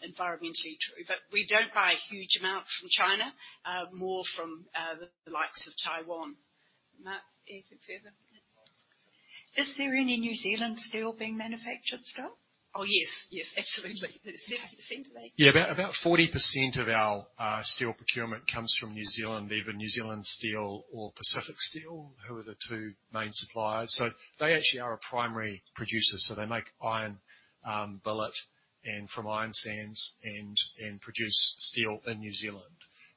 environmentally. But we don't buy a huge amount from China, more from the likes of Taiwan. Mark, anything further? Is there any New Zealand steel being manufactured still? Oh, yes. Yes, absolutely. Its about seemingly. Yeah. About 40% of our steel procurement comes from New Zealand, either New Zealand Steel or Pacific Steel, who are the two main suppliers. They actually are a primary producer. They make iron billet and from iron sands and produce steel in New Zealand.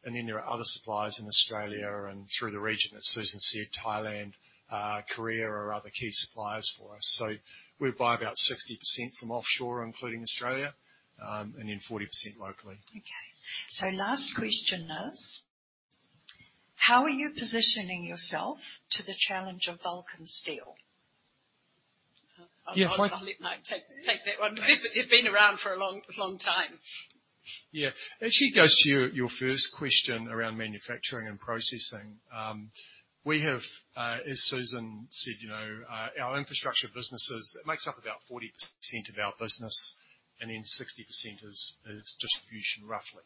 Then there are other suppliers in Australia and through the region, as Susan said, Thailand, Korea are other key suppliers for us. We buy about 60% from offshore, including Australia, and then 40% locally. Okay. Last question is: How are you positioning yourself to the challenge of Vulcan Steel? Yeah. I'll let Mark take that one. They've been around for a long time. Yeah. It actually goes to your first question around manufacturing and processing. We have, as Susan said, you know, our infrastructure businesses. It makes up about 40% of our business, and then 60% is distribution, roughly.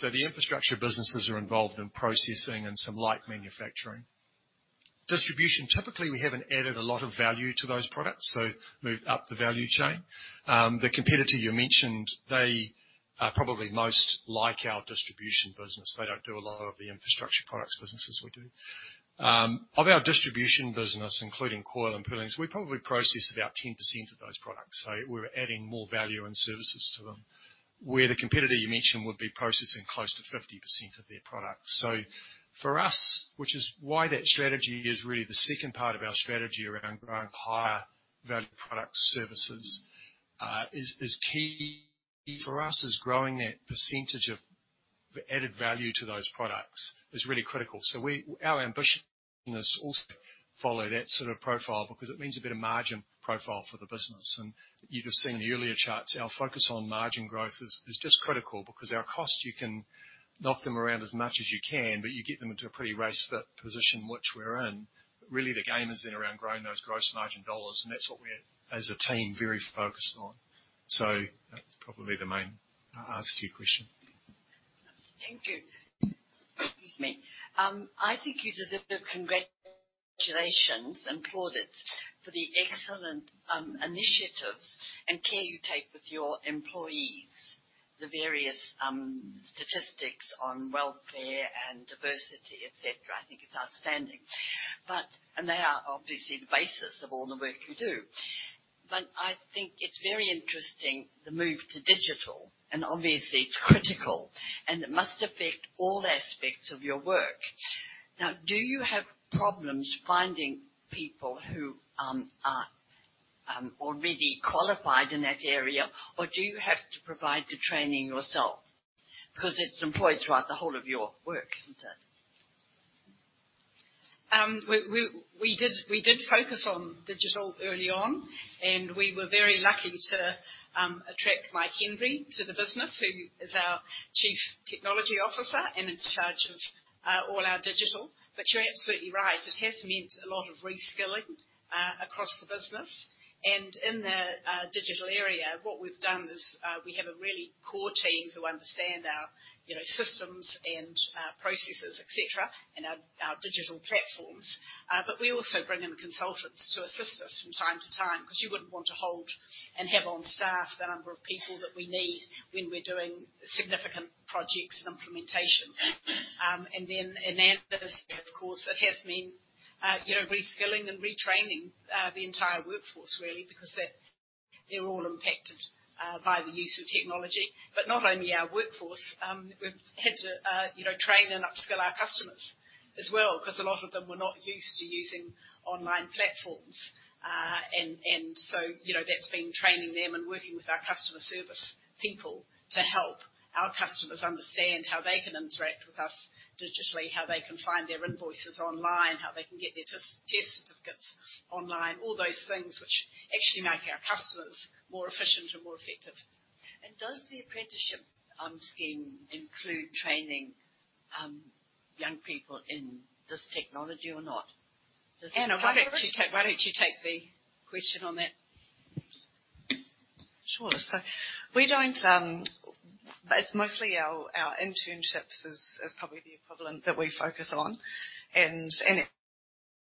The infrastructure businesses are involved in processing and some light manufacturing. Distribution, typically, we haven't added a lot of value to those products, so move up the value chain. The competitor you mentioned, they are probably most like our distribution business. They don't do a lot of the infrastructure products businesses we do. Of our distribution business, including coil and purlins, we probably process about 10% of those products. We're adding more value and services to them, where the competitor you mentioned would be processing close to 50% of their products. For us, which is why that strategy is really the second part of our strategy around growing higher value products, services is key for us is growing that percentage of the added value to those products is really critical. Our ambition is also follow that sort of profile because it means a better margin profile for the business. You'll have seen in the earlier charts, our focus on margin growth is just critical because our costs, you can knock them around as much as you can, but you get them into a pretty race fit position which we're in. Really, the game is then around growing those gross margin dollars, and that's what we're, as a team, very focused on. That's probably the main answer to your question. Thank you. Excuse me. I think you deserve congratulations and plaudits for the excellent initiatives and care you take with your employees. The various statistics on welfare and diversity, et cetera, I think is outstanding. They are obviously the basis of all the work you do. I think it's very interesting, the move to digital and obviously critical, and it must affect all aspects of your work. Now, do you have problems finding people who are already qualified in that area, or do you have to provide the training yourself? 'Cause it's employed throughout the whole of your work, isn't it? We did focus on digital early on, and we were very lucky to attract Mike Henry to the business, who is our Chief Technology Officer and in charge of all our digital. You're absolutely right. It has meant a lot of reskilling across the business. In the digital area, what we've done is we have a really core team who understand our, you know, systems and processes, et cetera, and our digital platforms. We also bring in the consultants to assist us from time to time 'cause you wouldn't want to hold and have on staff the number of people that we need when we're doing significant projects and implementation. Of course, it has meant, you know, reskilling and retraining the entire workforce really because they're all impacted by the use of technology. Not only our workforce, we've had to, you know, train and upskill our customers as well 'cause a lot of them were not used to using online platforms. So, you know, that's been training them and working with our customer service people to help our customers understand how they can interact with us digitally, how they can find their invoices online, how they can get their test certificates online, all those things which actually make our customers more efficient and more effective. Does the apprenticeship scheme include training young people in this technology or not? Does it? Anna, why don't you take the question on that? Sure. We don't. It's mostly our internships is probably the equivalent that we focus on.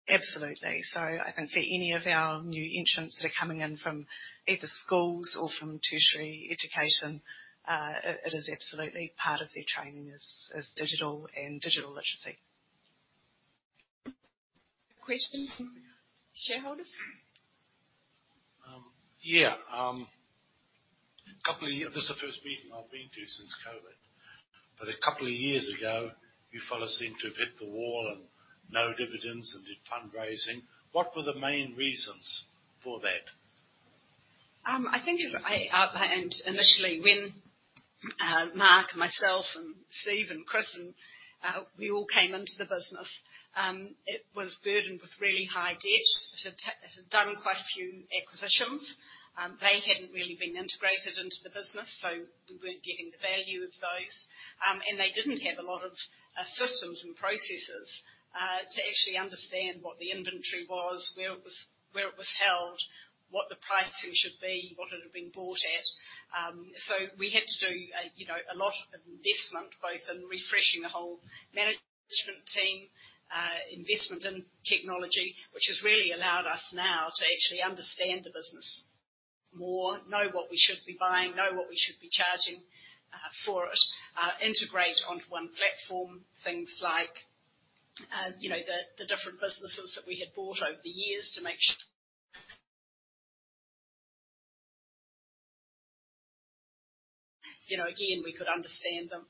Absolutely. I think for any of our new entrants that are coming in from either schools or from tertiary education, it is absolutely part of their training is digital and digital literacy. Questions, shareholders? Yeah. This is the first meeting I've been to since COVID. A couple of years ago, you fellas seemed to have hit the wall and no dividends and did fundraising. What were the main reasons for that? Initially, when Mark, myself and Steve and Chris and we all came into the business, it was burdened with really high debt. It had done quite a few acquisitions. They hadn't really been integrated into the business, so we weren't getting the value of those. They didn't have a lot of systems and processes to actually understand what the inventory was, where it was, where it was held, what the pricing should be, what it had been bought at. We had to do, you know, a lot of investment, both in refreshing the whole management team, investment in technology, which has really allowed us now to actually understand the business more, know what we should be buying, know what we should be charging for it, integrate onto one platform things like, you know, the different businesses that we had bought over the years to make sure, you know, again, we could understand them.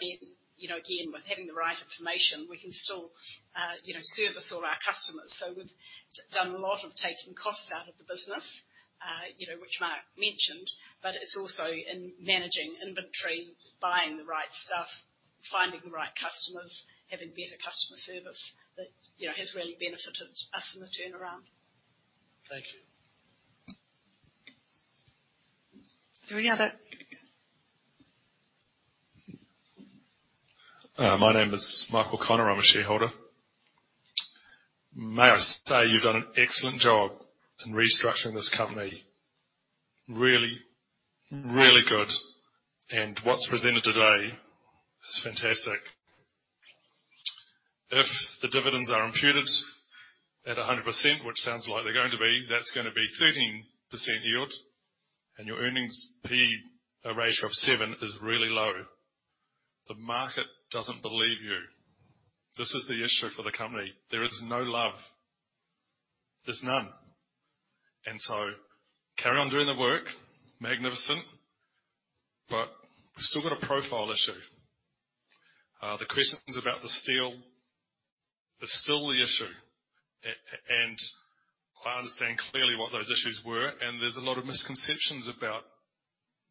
We, you know, again, with having the right information, we can still, you know, service all our customers. We've done a lot of taking costs out of the business, you know, which Mark mentioned, but it's also in managing inventory, buying the right stuff, finding the right customers, having better customer service that, you know, has really benefited us in the turnaround. Thank you. Any other? My name is Michael Connor. I'm a shareholder. May I say you've done an excellent job in restructuring this company. Really, really good. What's presented today is fantastic. If the dividends are imputed at 100%, which sounds like they're going to be, that's gonna be 13% yield, and your P/E ratio of seven is really low. The market doesn't believe you. This is the issue for the company. There is no love. There's none. Carry on doing the work. Magnificent. We've still got a profile issue. The questions about the steel is still the issue. I understand clearly what those issues were, and there's a lot of misconceptions about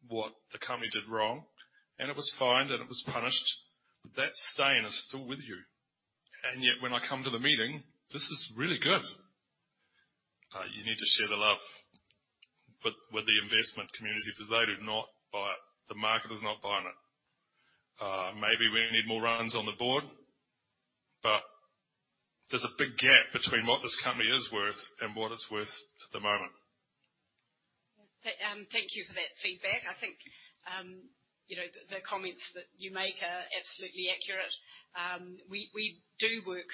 what the company did wrong, and it was fined, and it was punished. That stain is still with you. Yet, when I come to the meeting, this is really good. You need to share the love with the investment community 'cause they do not buy it. The market is not buying it. Maybe we need more runs on the board, but there's a big gap between what this company is worth and what it's worth at the moment. Thank you for that feedback. I think you know, the comments that you make are absolutely accurate. We do work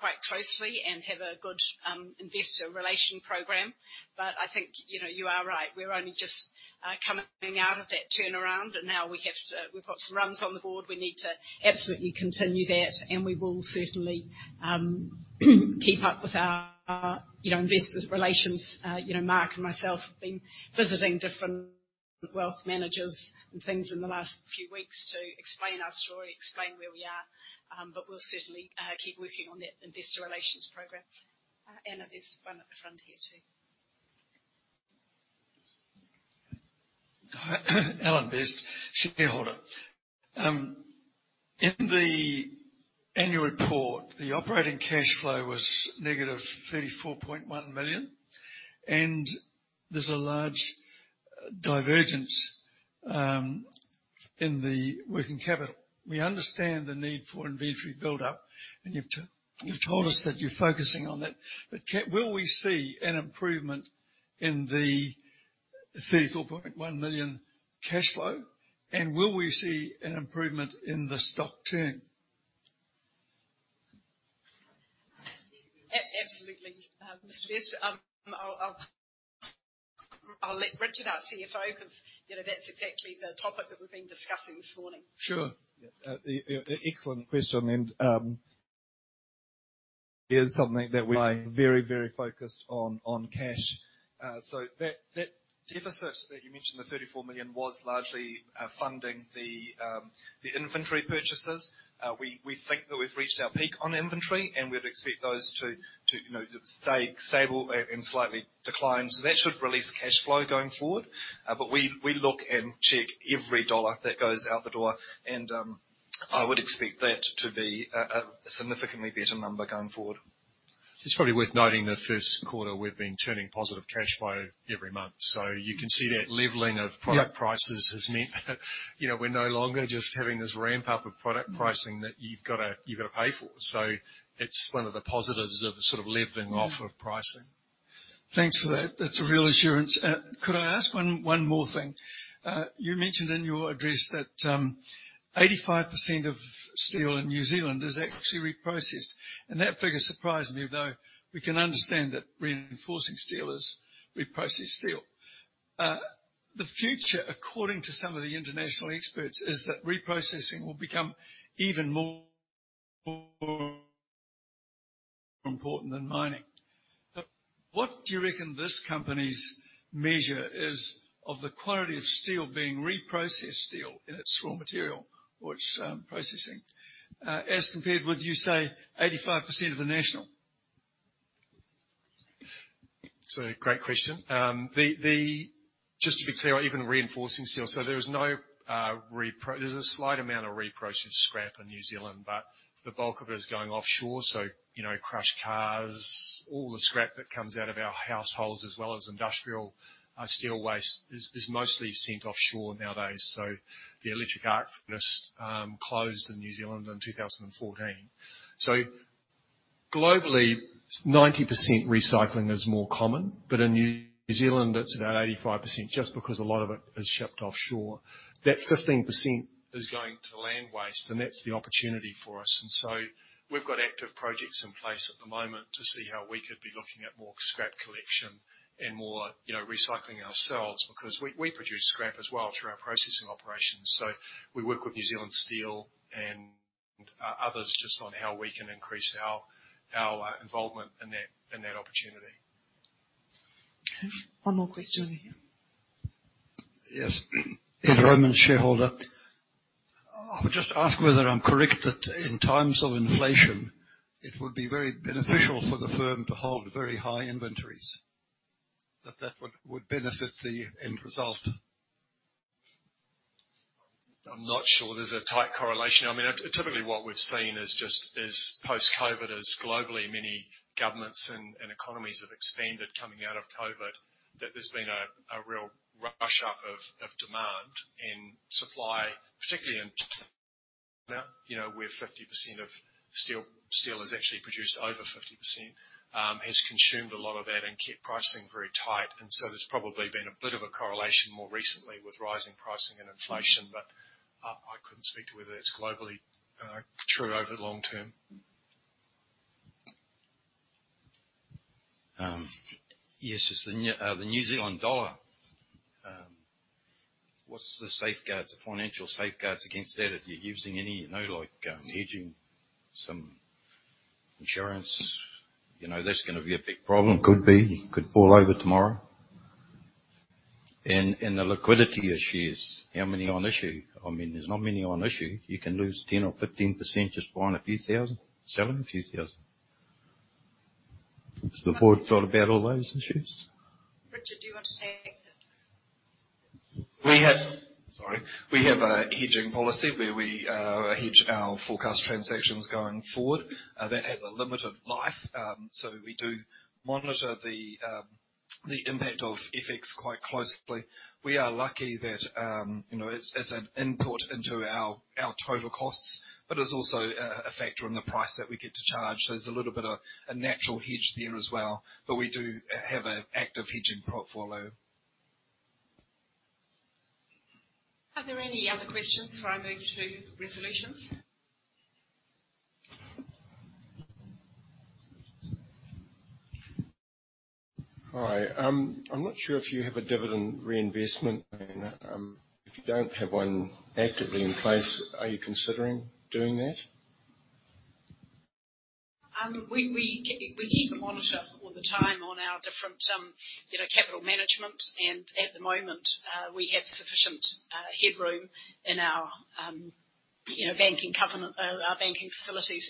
quite closely and have a good investor relations program. I think you know, you are right. We're only just coming out of that turnaround, and now we've got some runs on the board. We need to absolutely continue that, and we will certainly keep up with our investor relations. You know, Mark and myself have been visiting different wealth managers and things in the last few weeks to explain our story, explain where we are. But we'll certainly keep working on that investor relations program. Anna, there's one at the front here too. Alan Best, Shareholder. In the annual report, the operating cash flow was -$34.1 million, and there's a large divergence in the working capital. We understand the need for inventory buildup, and you've told us that you're focusing on that. But will we see an improvement in the $34.1 million cash flow, and will we see an improvement in the stock turn? Absolutely, Mr. Best. I'll let Richard, our CFO, 'cause, you know, that's exactly the topic that we've been discussing this morning. Sure. Yeah. Excellent question, it is something that we are very, very focused on cash. That deficit that you mentioned, the $34 million, was largely funding the inventory purchases. We think that we've reached our peak on inventory, and we'd expect those to stay stable and slightly decline. You know, that should release cash flow going forward. We look and check every dollar that goes out the door, and I would expect that to be a significantly better number going forward. It's probably worth noting the first quarter. We've been turning positive cash flow every month. You can see that leveling of product prices. Yeah. has meant that, you know, we're no longer just having this ramp-up of product pricing that you've gotta pay for. It's one of the positives of sort of leveling off of pricing. Thanks for that. That's a real assurance. Could I ask one more thing? You mentioned in your address that 85% of steel in New Zealand is actually reprocessed, and that figure surprised me, though we can understand that reinforcing steel is reprocessed steel. The future, according to some of the international experts, is that reprocessing will become even more important than mining. What do you reckon this company's measure is of the quality of steel being reprocessed steel in its raw material, or its processing, as compared with, you say, 85% of the national? It's a great question. Just to be clear, even reinforcing steel. There is no repro. There's a slight amount of reprocessed scrap in New Zealand, but the bulk of it is going offshore. You know, crushed cars, all the scrap that comes out of our households as well as industrial steel waste is mostly sent offshore nowadays. The electric arc furnace closed in New Zealand in 2014. Globally, 90% recycling is more common, but in New Zealand it's about 85% just because a lot of it is shipped offshore. That 15% is going to land waste, and that's the opportunity for us. We've got active projects in place at the moment to see how we could be looking at more scrap collection and more, you know, recycling ourselves because we produce scrap as well through our processing operations. We work with New Zealand Steel and others just on how we can increase our involvement in that opportunity. Okay. One more question over here. Yes. Peter Roman, shareholder. I would just ask whether I'm correct that in times of inflation, it would be very beneficial for the firm to hold very high inventories, that would benefit the end result. I'm not sure there's a tight correlation. I mean, typically what we've seen is post-COVID, as globally many governments and economies have expanded coming out of COVID, that there's been a real rush up of demand and supply, particularly in where 50% of steel is actually produced, over 50% has consumed a lot of that and kept pricing very tight. There's probably been a bit of a correlation more recently with rising pricing and inflation. I couldn't speak to whether that's globally true over the long term. Just the New Zealand dollar. What's the safeguards, the financial safeguards against that, if you're using any, you know, like, hedging some insurance? You know, that's gonna be a big problem. Could be. Could fall over tomorrow. The liquidity issues. How many on issue? I mean, there's not many on issue. You can lose 10 or 15% just buying a few thousand, selling a few thousand. Has the board thought about all those issues? Richard, do you want to take that? We have a hedging policy where we hedge our forecast transactions going forward. That has a limited life. We do monitor the impact of FX quite closely. We are lucky that, you know, it's an input into our total costs, but it's also a factor in the price that we get to charge. There's a little bit of a natural hedge there as well, but we do have an active hedging portfolio. Are there any other questions before I move to resolutions? Hi. I'm not sure if you have a dividend reinvestment plan. If you don't have one actively in place, are you considering doing that? We keep a monitor all the time on our different, you know, capital management, and at the moment, we have sufficient headroom in our, you know, banking covenant, our banking facilities.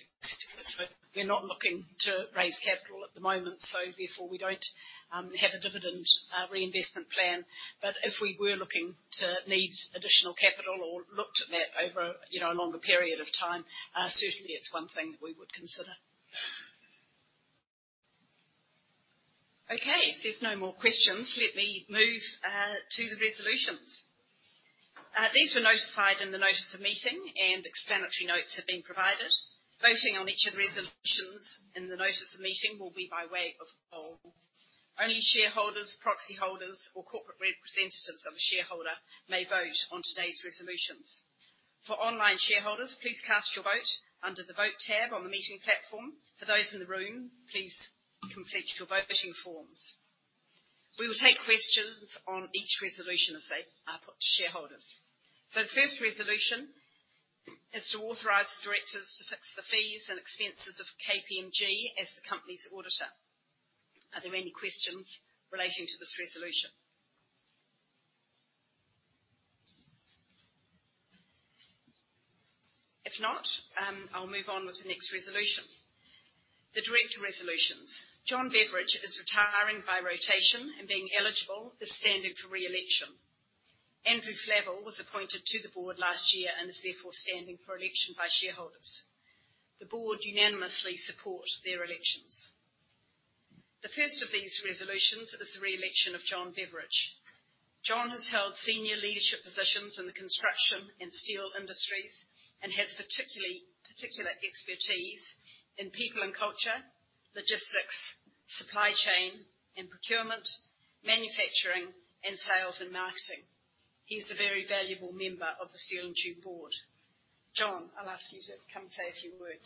We're not looking to raise capital at the moment, therefore, we don't have a dividend reinvestment plan. If we were looking to need additional capital or looked at that over, you know, a longer period of time, certainly it's one thing that we would consider. If there's no more questions, let me move to the resolutions. These were notified in the notice of meeting and explanatory notes have been provided. Voting on each of the resolutions in the notice of meeting will be by way of poll. Only shareholders, proxy holders or corporate representatives of a shareholder may vote on today's resolutions. For online shareholders, please cast your vote under the Vote tab on the meeting platform. For those in the room, please complete your voting forms. We will take questions on each resolution as they are put to shareholders. The first resolution is to authorize the directors to fix the fees and expenses of KPMG as the company's auditor. Are there any questions relating to this resolution? If not, I'll move on with the next resolution. The director resolutions. John Beveridge is retiring by rotation and being eligible is standing for re-election. Andrew Flavell was appointed to the board last year and is therefore standing for election by shareholders. The board unanimously support their elections. The first of these resolutions is the re-election of John Beveridge. John has held senior leadership positions in the construction and steel industries and has particular expertise in people and culture, logistics, supply chain and procurement, manufacturing, and sales and marketing. He's a very valuable member of the Steel & Tube board. John, I'll ask you to come say a few words.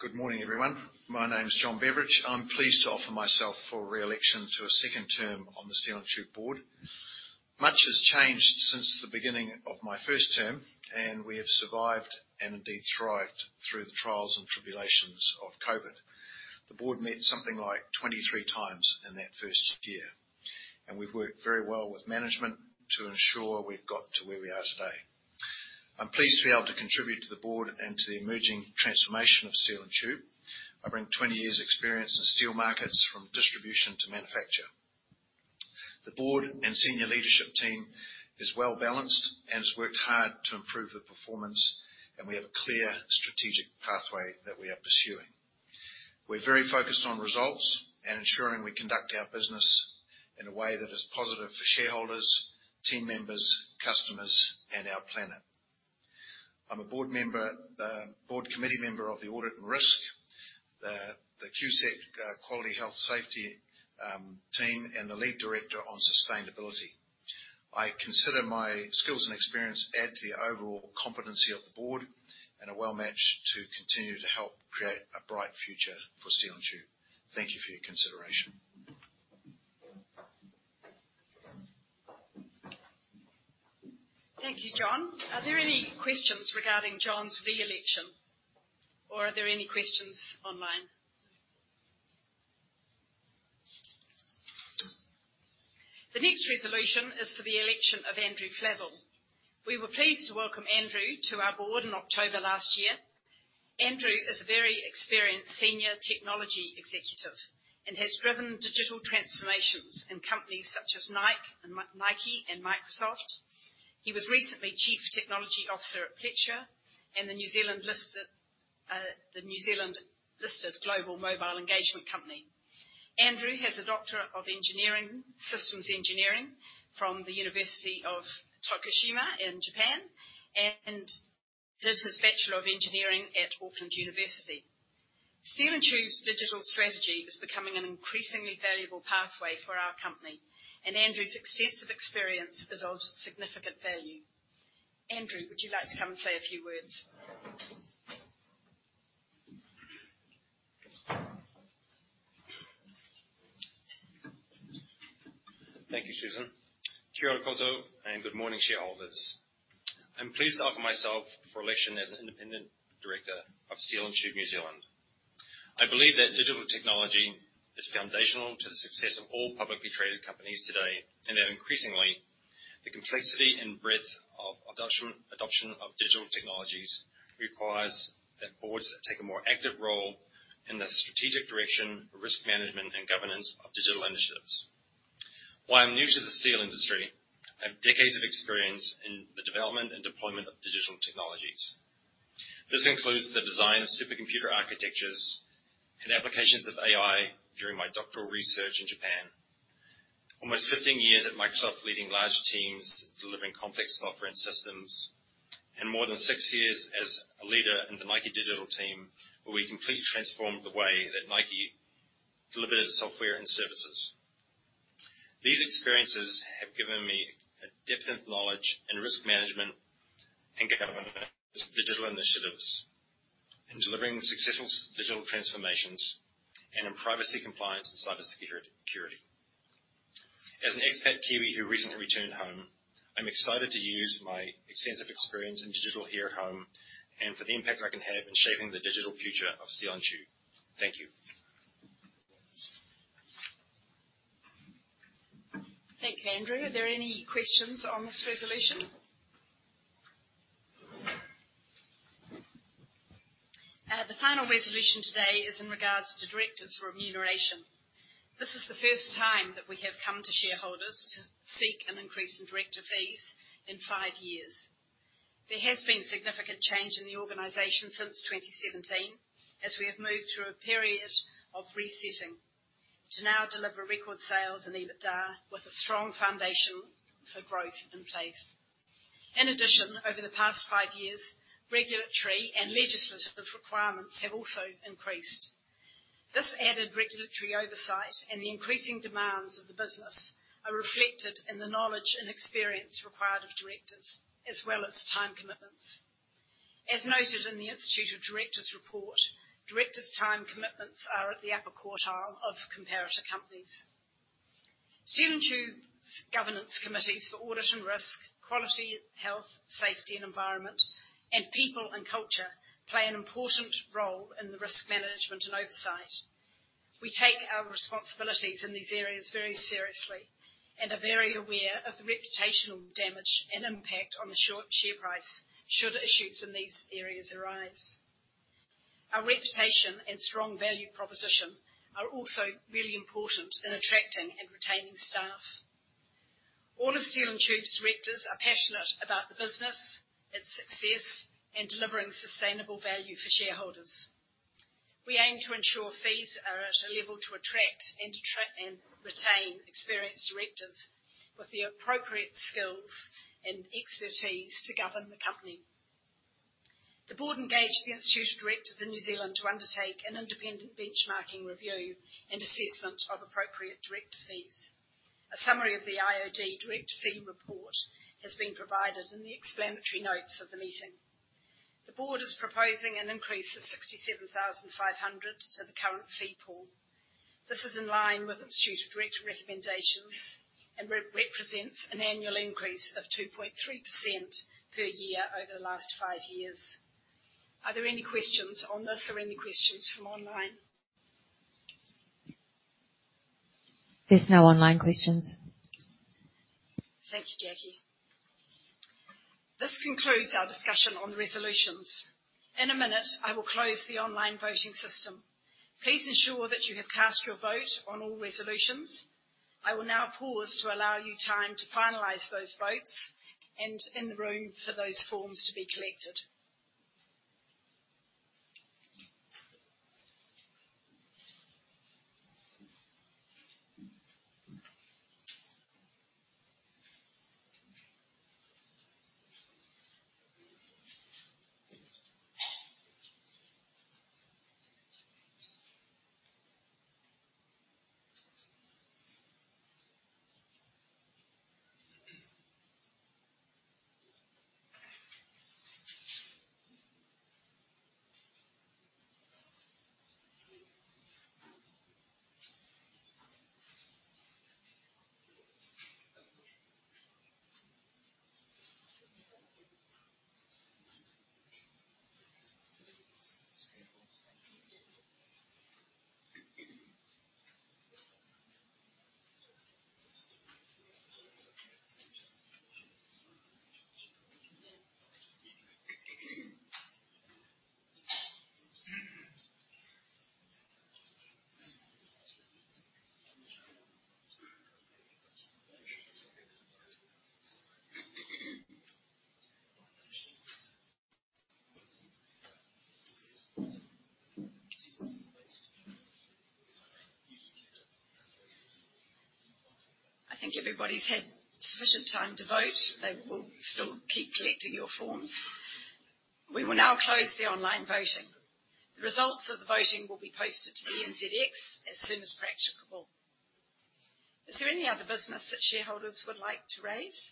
Good morning, everyone. My name is John Beveridge. I'm pleased to offer myself for re-election to a second term on the Steel & Tube board. Much has changed since the beginning of my first term, and we have survived and indeed thrived through the trials and tribulations of COVID. The board met something like 23x in that first year, and we've worked very well with management to ensure we've got to where we are today. I'm pleased to be able to contribute to the board and to the emerging transformation of Steel & Tube. I bring 20 years' experience in steel markets from distribution to manufacture. The board and senior leadership team is well-balanced and has worked hard to improve the performance, and we have a clear strategic pathway that we are pursuing. We're very focused on results and ensuring we conduct our business in a way that is positive for shareholders, team members, customers, and our planet. I'm a board member, board committee member of the Audit and Risk, the QSEC, Quality Health Safety team, and the lead director on sustainability. I consider my skills and experience add to the overall competency of the board and are well matched to continue to help create a bright future for Steel & Tube. Thank you for your consideration. Thank you, John. Are there any questions regarding John's re-election? Or are there any questions online? The next resolution is for the election of Andrew Flavell. We were pleased to welcome Andrew to our board in October last year. Andrew is a very experienced senior technology executive and has driven digital transformations in companies such as Nike and Microsoft. He was recently Chief Technology Officer at Plexure, the New Zealand-listed global mobile engagement company. Andrew has a Doctor of Engineering, Systems Engineering from Tokushima University in Japan, and did his Bachelor of Engineering at University of Auckland. Steel & Tube's digital strategy is becoming an increasingly valuable pathway for our company, and Andrew's extensive experience is of significant value. Andrew, would you like to come and say a few words? Thank you, Susan. Kia ora koutou and good morning, shareholders. I'm pleased to offer myself for election as an independent director of Steel & Tube New Zealand. I believe that digital technology is foundational to the success of all publicly traded companies today, and that increasingly, the complexity and breadth of adoption of digital technologies requires that boards take a more active role in the strategic direction, risk management, and governance of digital initiatives. While I'm new to the steel industry, I have decades of experience in the development and deployment of digital technologies. This includes the design of supercomputer architectures and applications of AI during my doctoral research in Japan. Almost 15 years at Microsoft, leading large teams delivering complex software and systems, and more than six years as a leader in the Nike digital team, where we completely transformed the way that Nike delivered its software and services. These experiences have given me a definite knowledge in risk management and governance, digital initiatives, in delivering successful digital transformations, and in privacy compliance and cybersecurity. As an expat Kiwi who recently returned home, I'm excited to use my extensive experience in digital here at home and for the impact I can have in shaping the digital future of Steel & Tube. Thank you. Thank you, Andrew. Are there any questions on this resolution? The final resolution today is in regards to directors remuneration. This is the first time that we have come to shareholders to seek an increase in director fees in five years. There has been significant change in the organization since 2017, as we have moved through a period of resetting to now deliver record sales and EBITDA with a strong foundation for growth in place. In addition, over the past five years, regulatory and legislative requirements have also increased. This added regulatory oversight and the increasing demands of the business are reflected in the knowledge and experience required of directors, as well as time commitments. As noted in the Institute of Directors report, directors' time commitments are at the upper quartile of comparator companies. Steel & Tube's governance committees for audit and risk, quality, health, safety and environment, and people and culture play an important role in the risk management and oversight. We take our responsibilities in these areas very seriously and are very aware of the reputational damage and impact on the short share price should issues in these areas arise. Our reputation and strong value proposition are also really important in attracting and retaining staff. All of Steel & Tube's directors are passionate about the business, its success, and delivering sustainable value for shareholders. We aim to ensure fees are at a level to attract and retain experienced directors with the appropriate skills and expertise to govern the company. The board engaged the Institute of Directors in New Zealand to undertake an independent benchmarking review and assessment of appropriate director fees. A summary of the IoD director fee report has been provided in the explanatory notes of the meeting. The board is proposing an increase of 67,500 to the current fee pool. This is in line with Institute of Directors recommendations and represents an annual increase of 2.3% per year over the last five years. Are there any questions on this or any questions from online? There's no online questions. Thank you, Jackie. This concludes our discussion on resolutions. In a minute, I will close the online voting system. Please ensure that you have cast your vote on all resolutions. I will now pause to allow you time to finalize those votes and in the room for those forms to be collected. I think everybody's had sufficient time to vote. They will still keep collecting your forms. We will now close the online voting. The results of the voting will be posted to the NZX as soon as practicable. Is there any other business that shareholders would like to raise?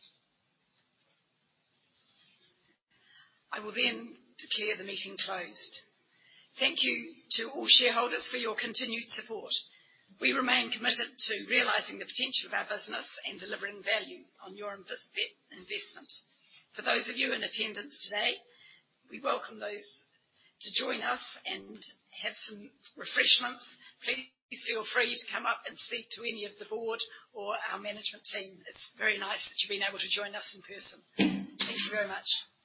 I will then declare the meeting closed. Thank you to all shareholders for your continued support. We remain committed to realizing the potential of our business and delivering value on your investment. For those of you in attendance today, we welcome those to join us and have some refreshments. Please feel free to come up and speak to any of the board or our management team. It's very nice that you've been able to join us in person. Thank you very much.